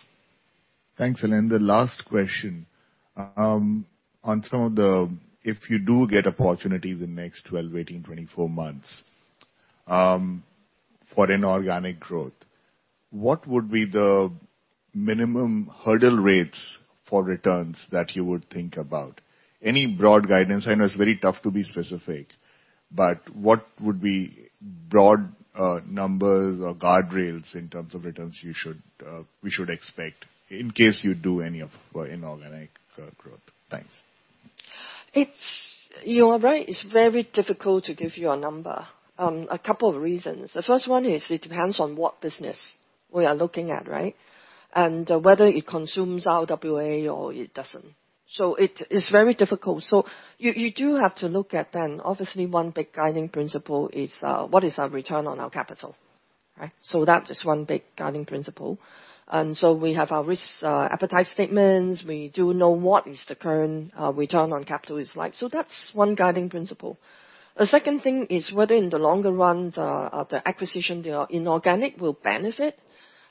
Speaker 7: Thanks, Helen. The last question. If you do get opportunities in next 12, 18, 24 months, for inorganic growth, what would be the minimum hurdle rates for returns that you would think about? Any broad guidance? I know it's very tough to be specific. What would be broad numbers or guardrails in terms of returns we should expect in case you do any inorganic growth? Thanks.
Speaker 3: You are right. It's very difficult to give you a number. A couple of reasons. The first one is it depends on what business we are looking at, right? And whether it consumes our RWA or it doesn't. It is very difficult. You do have to look at it, then obviously one big guiding principle is what is our return on our capital, right? That is one big guiding principle. We have our risk appetite statements. We do know what the current return on capital is like. That's one guiding principle. The second thing is whether in the longer run the acquisition, the inorganic will benefit.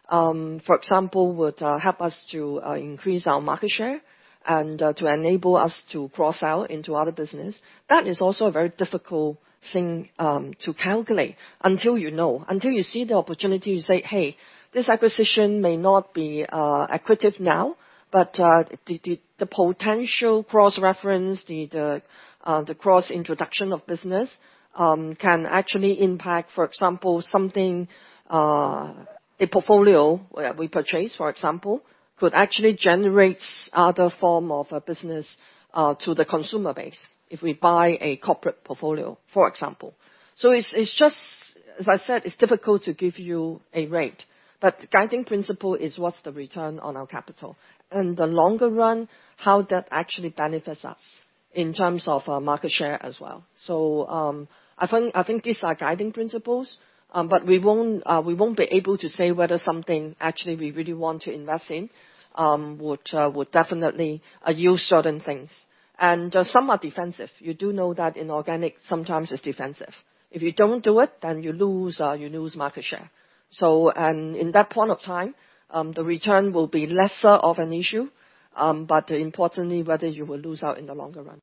Speaker 3: For example, would help us to increase our market share and to enable us to cross-sell into other business. That is also a very difficult thing to calculate until you see the opportunity to say, "Hey, this acquisition may not be accretive now, but the potential cross-reference, the cross-introduction of business can actually impact, for example, a portfolio where we purchase, for example, could actually generates other form of a business to the consumer base if we buy a corporate portfolio, for example. It's just difficult to give you a rate, but the guiding principle is what's the return on our capital. In the longer run, how that actually benefits us in terms of market share as well. I think these are guiding principles, but we won't be able to say whether something actually we really want to invest in would definitely use certain things. Some are defensive. You do know that inorganic sometimes is defensive. If you don't do it, then you lose market share. In that point of time, the return will be lesser of an issue, but importantly whether you will lose out in the longer run.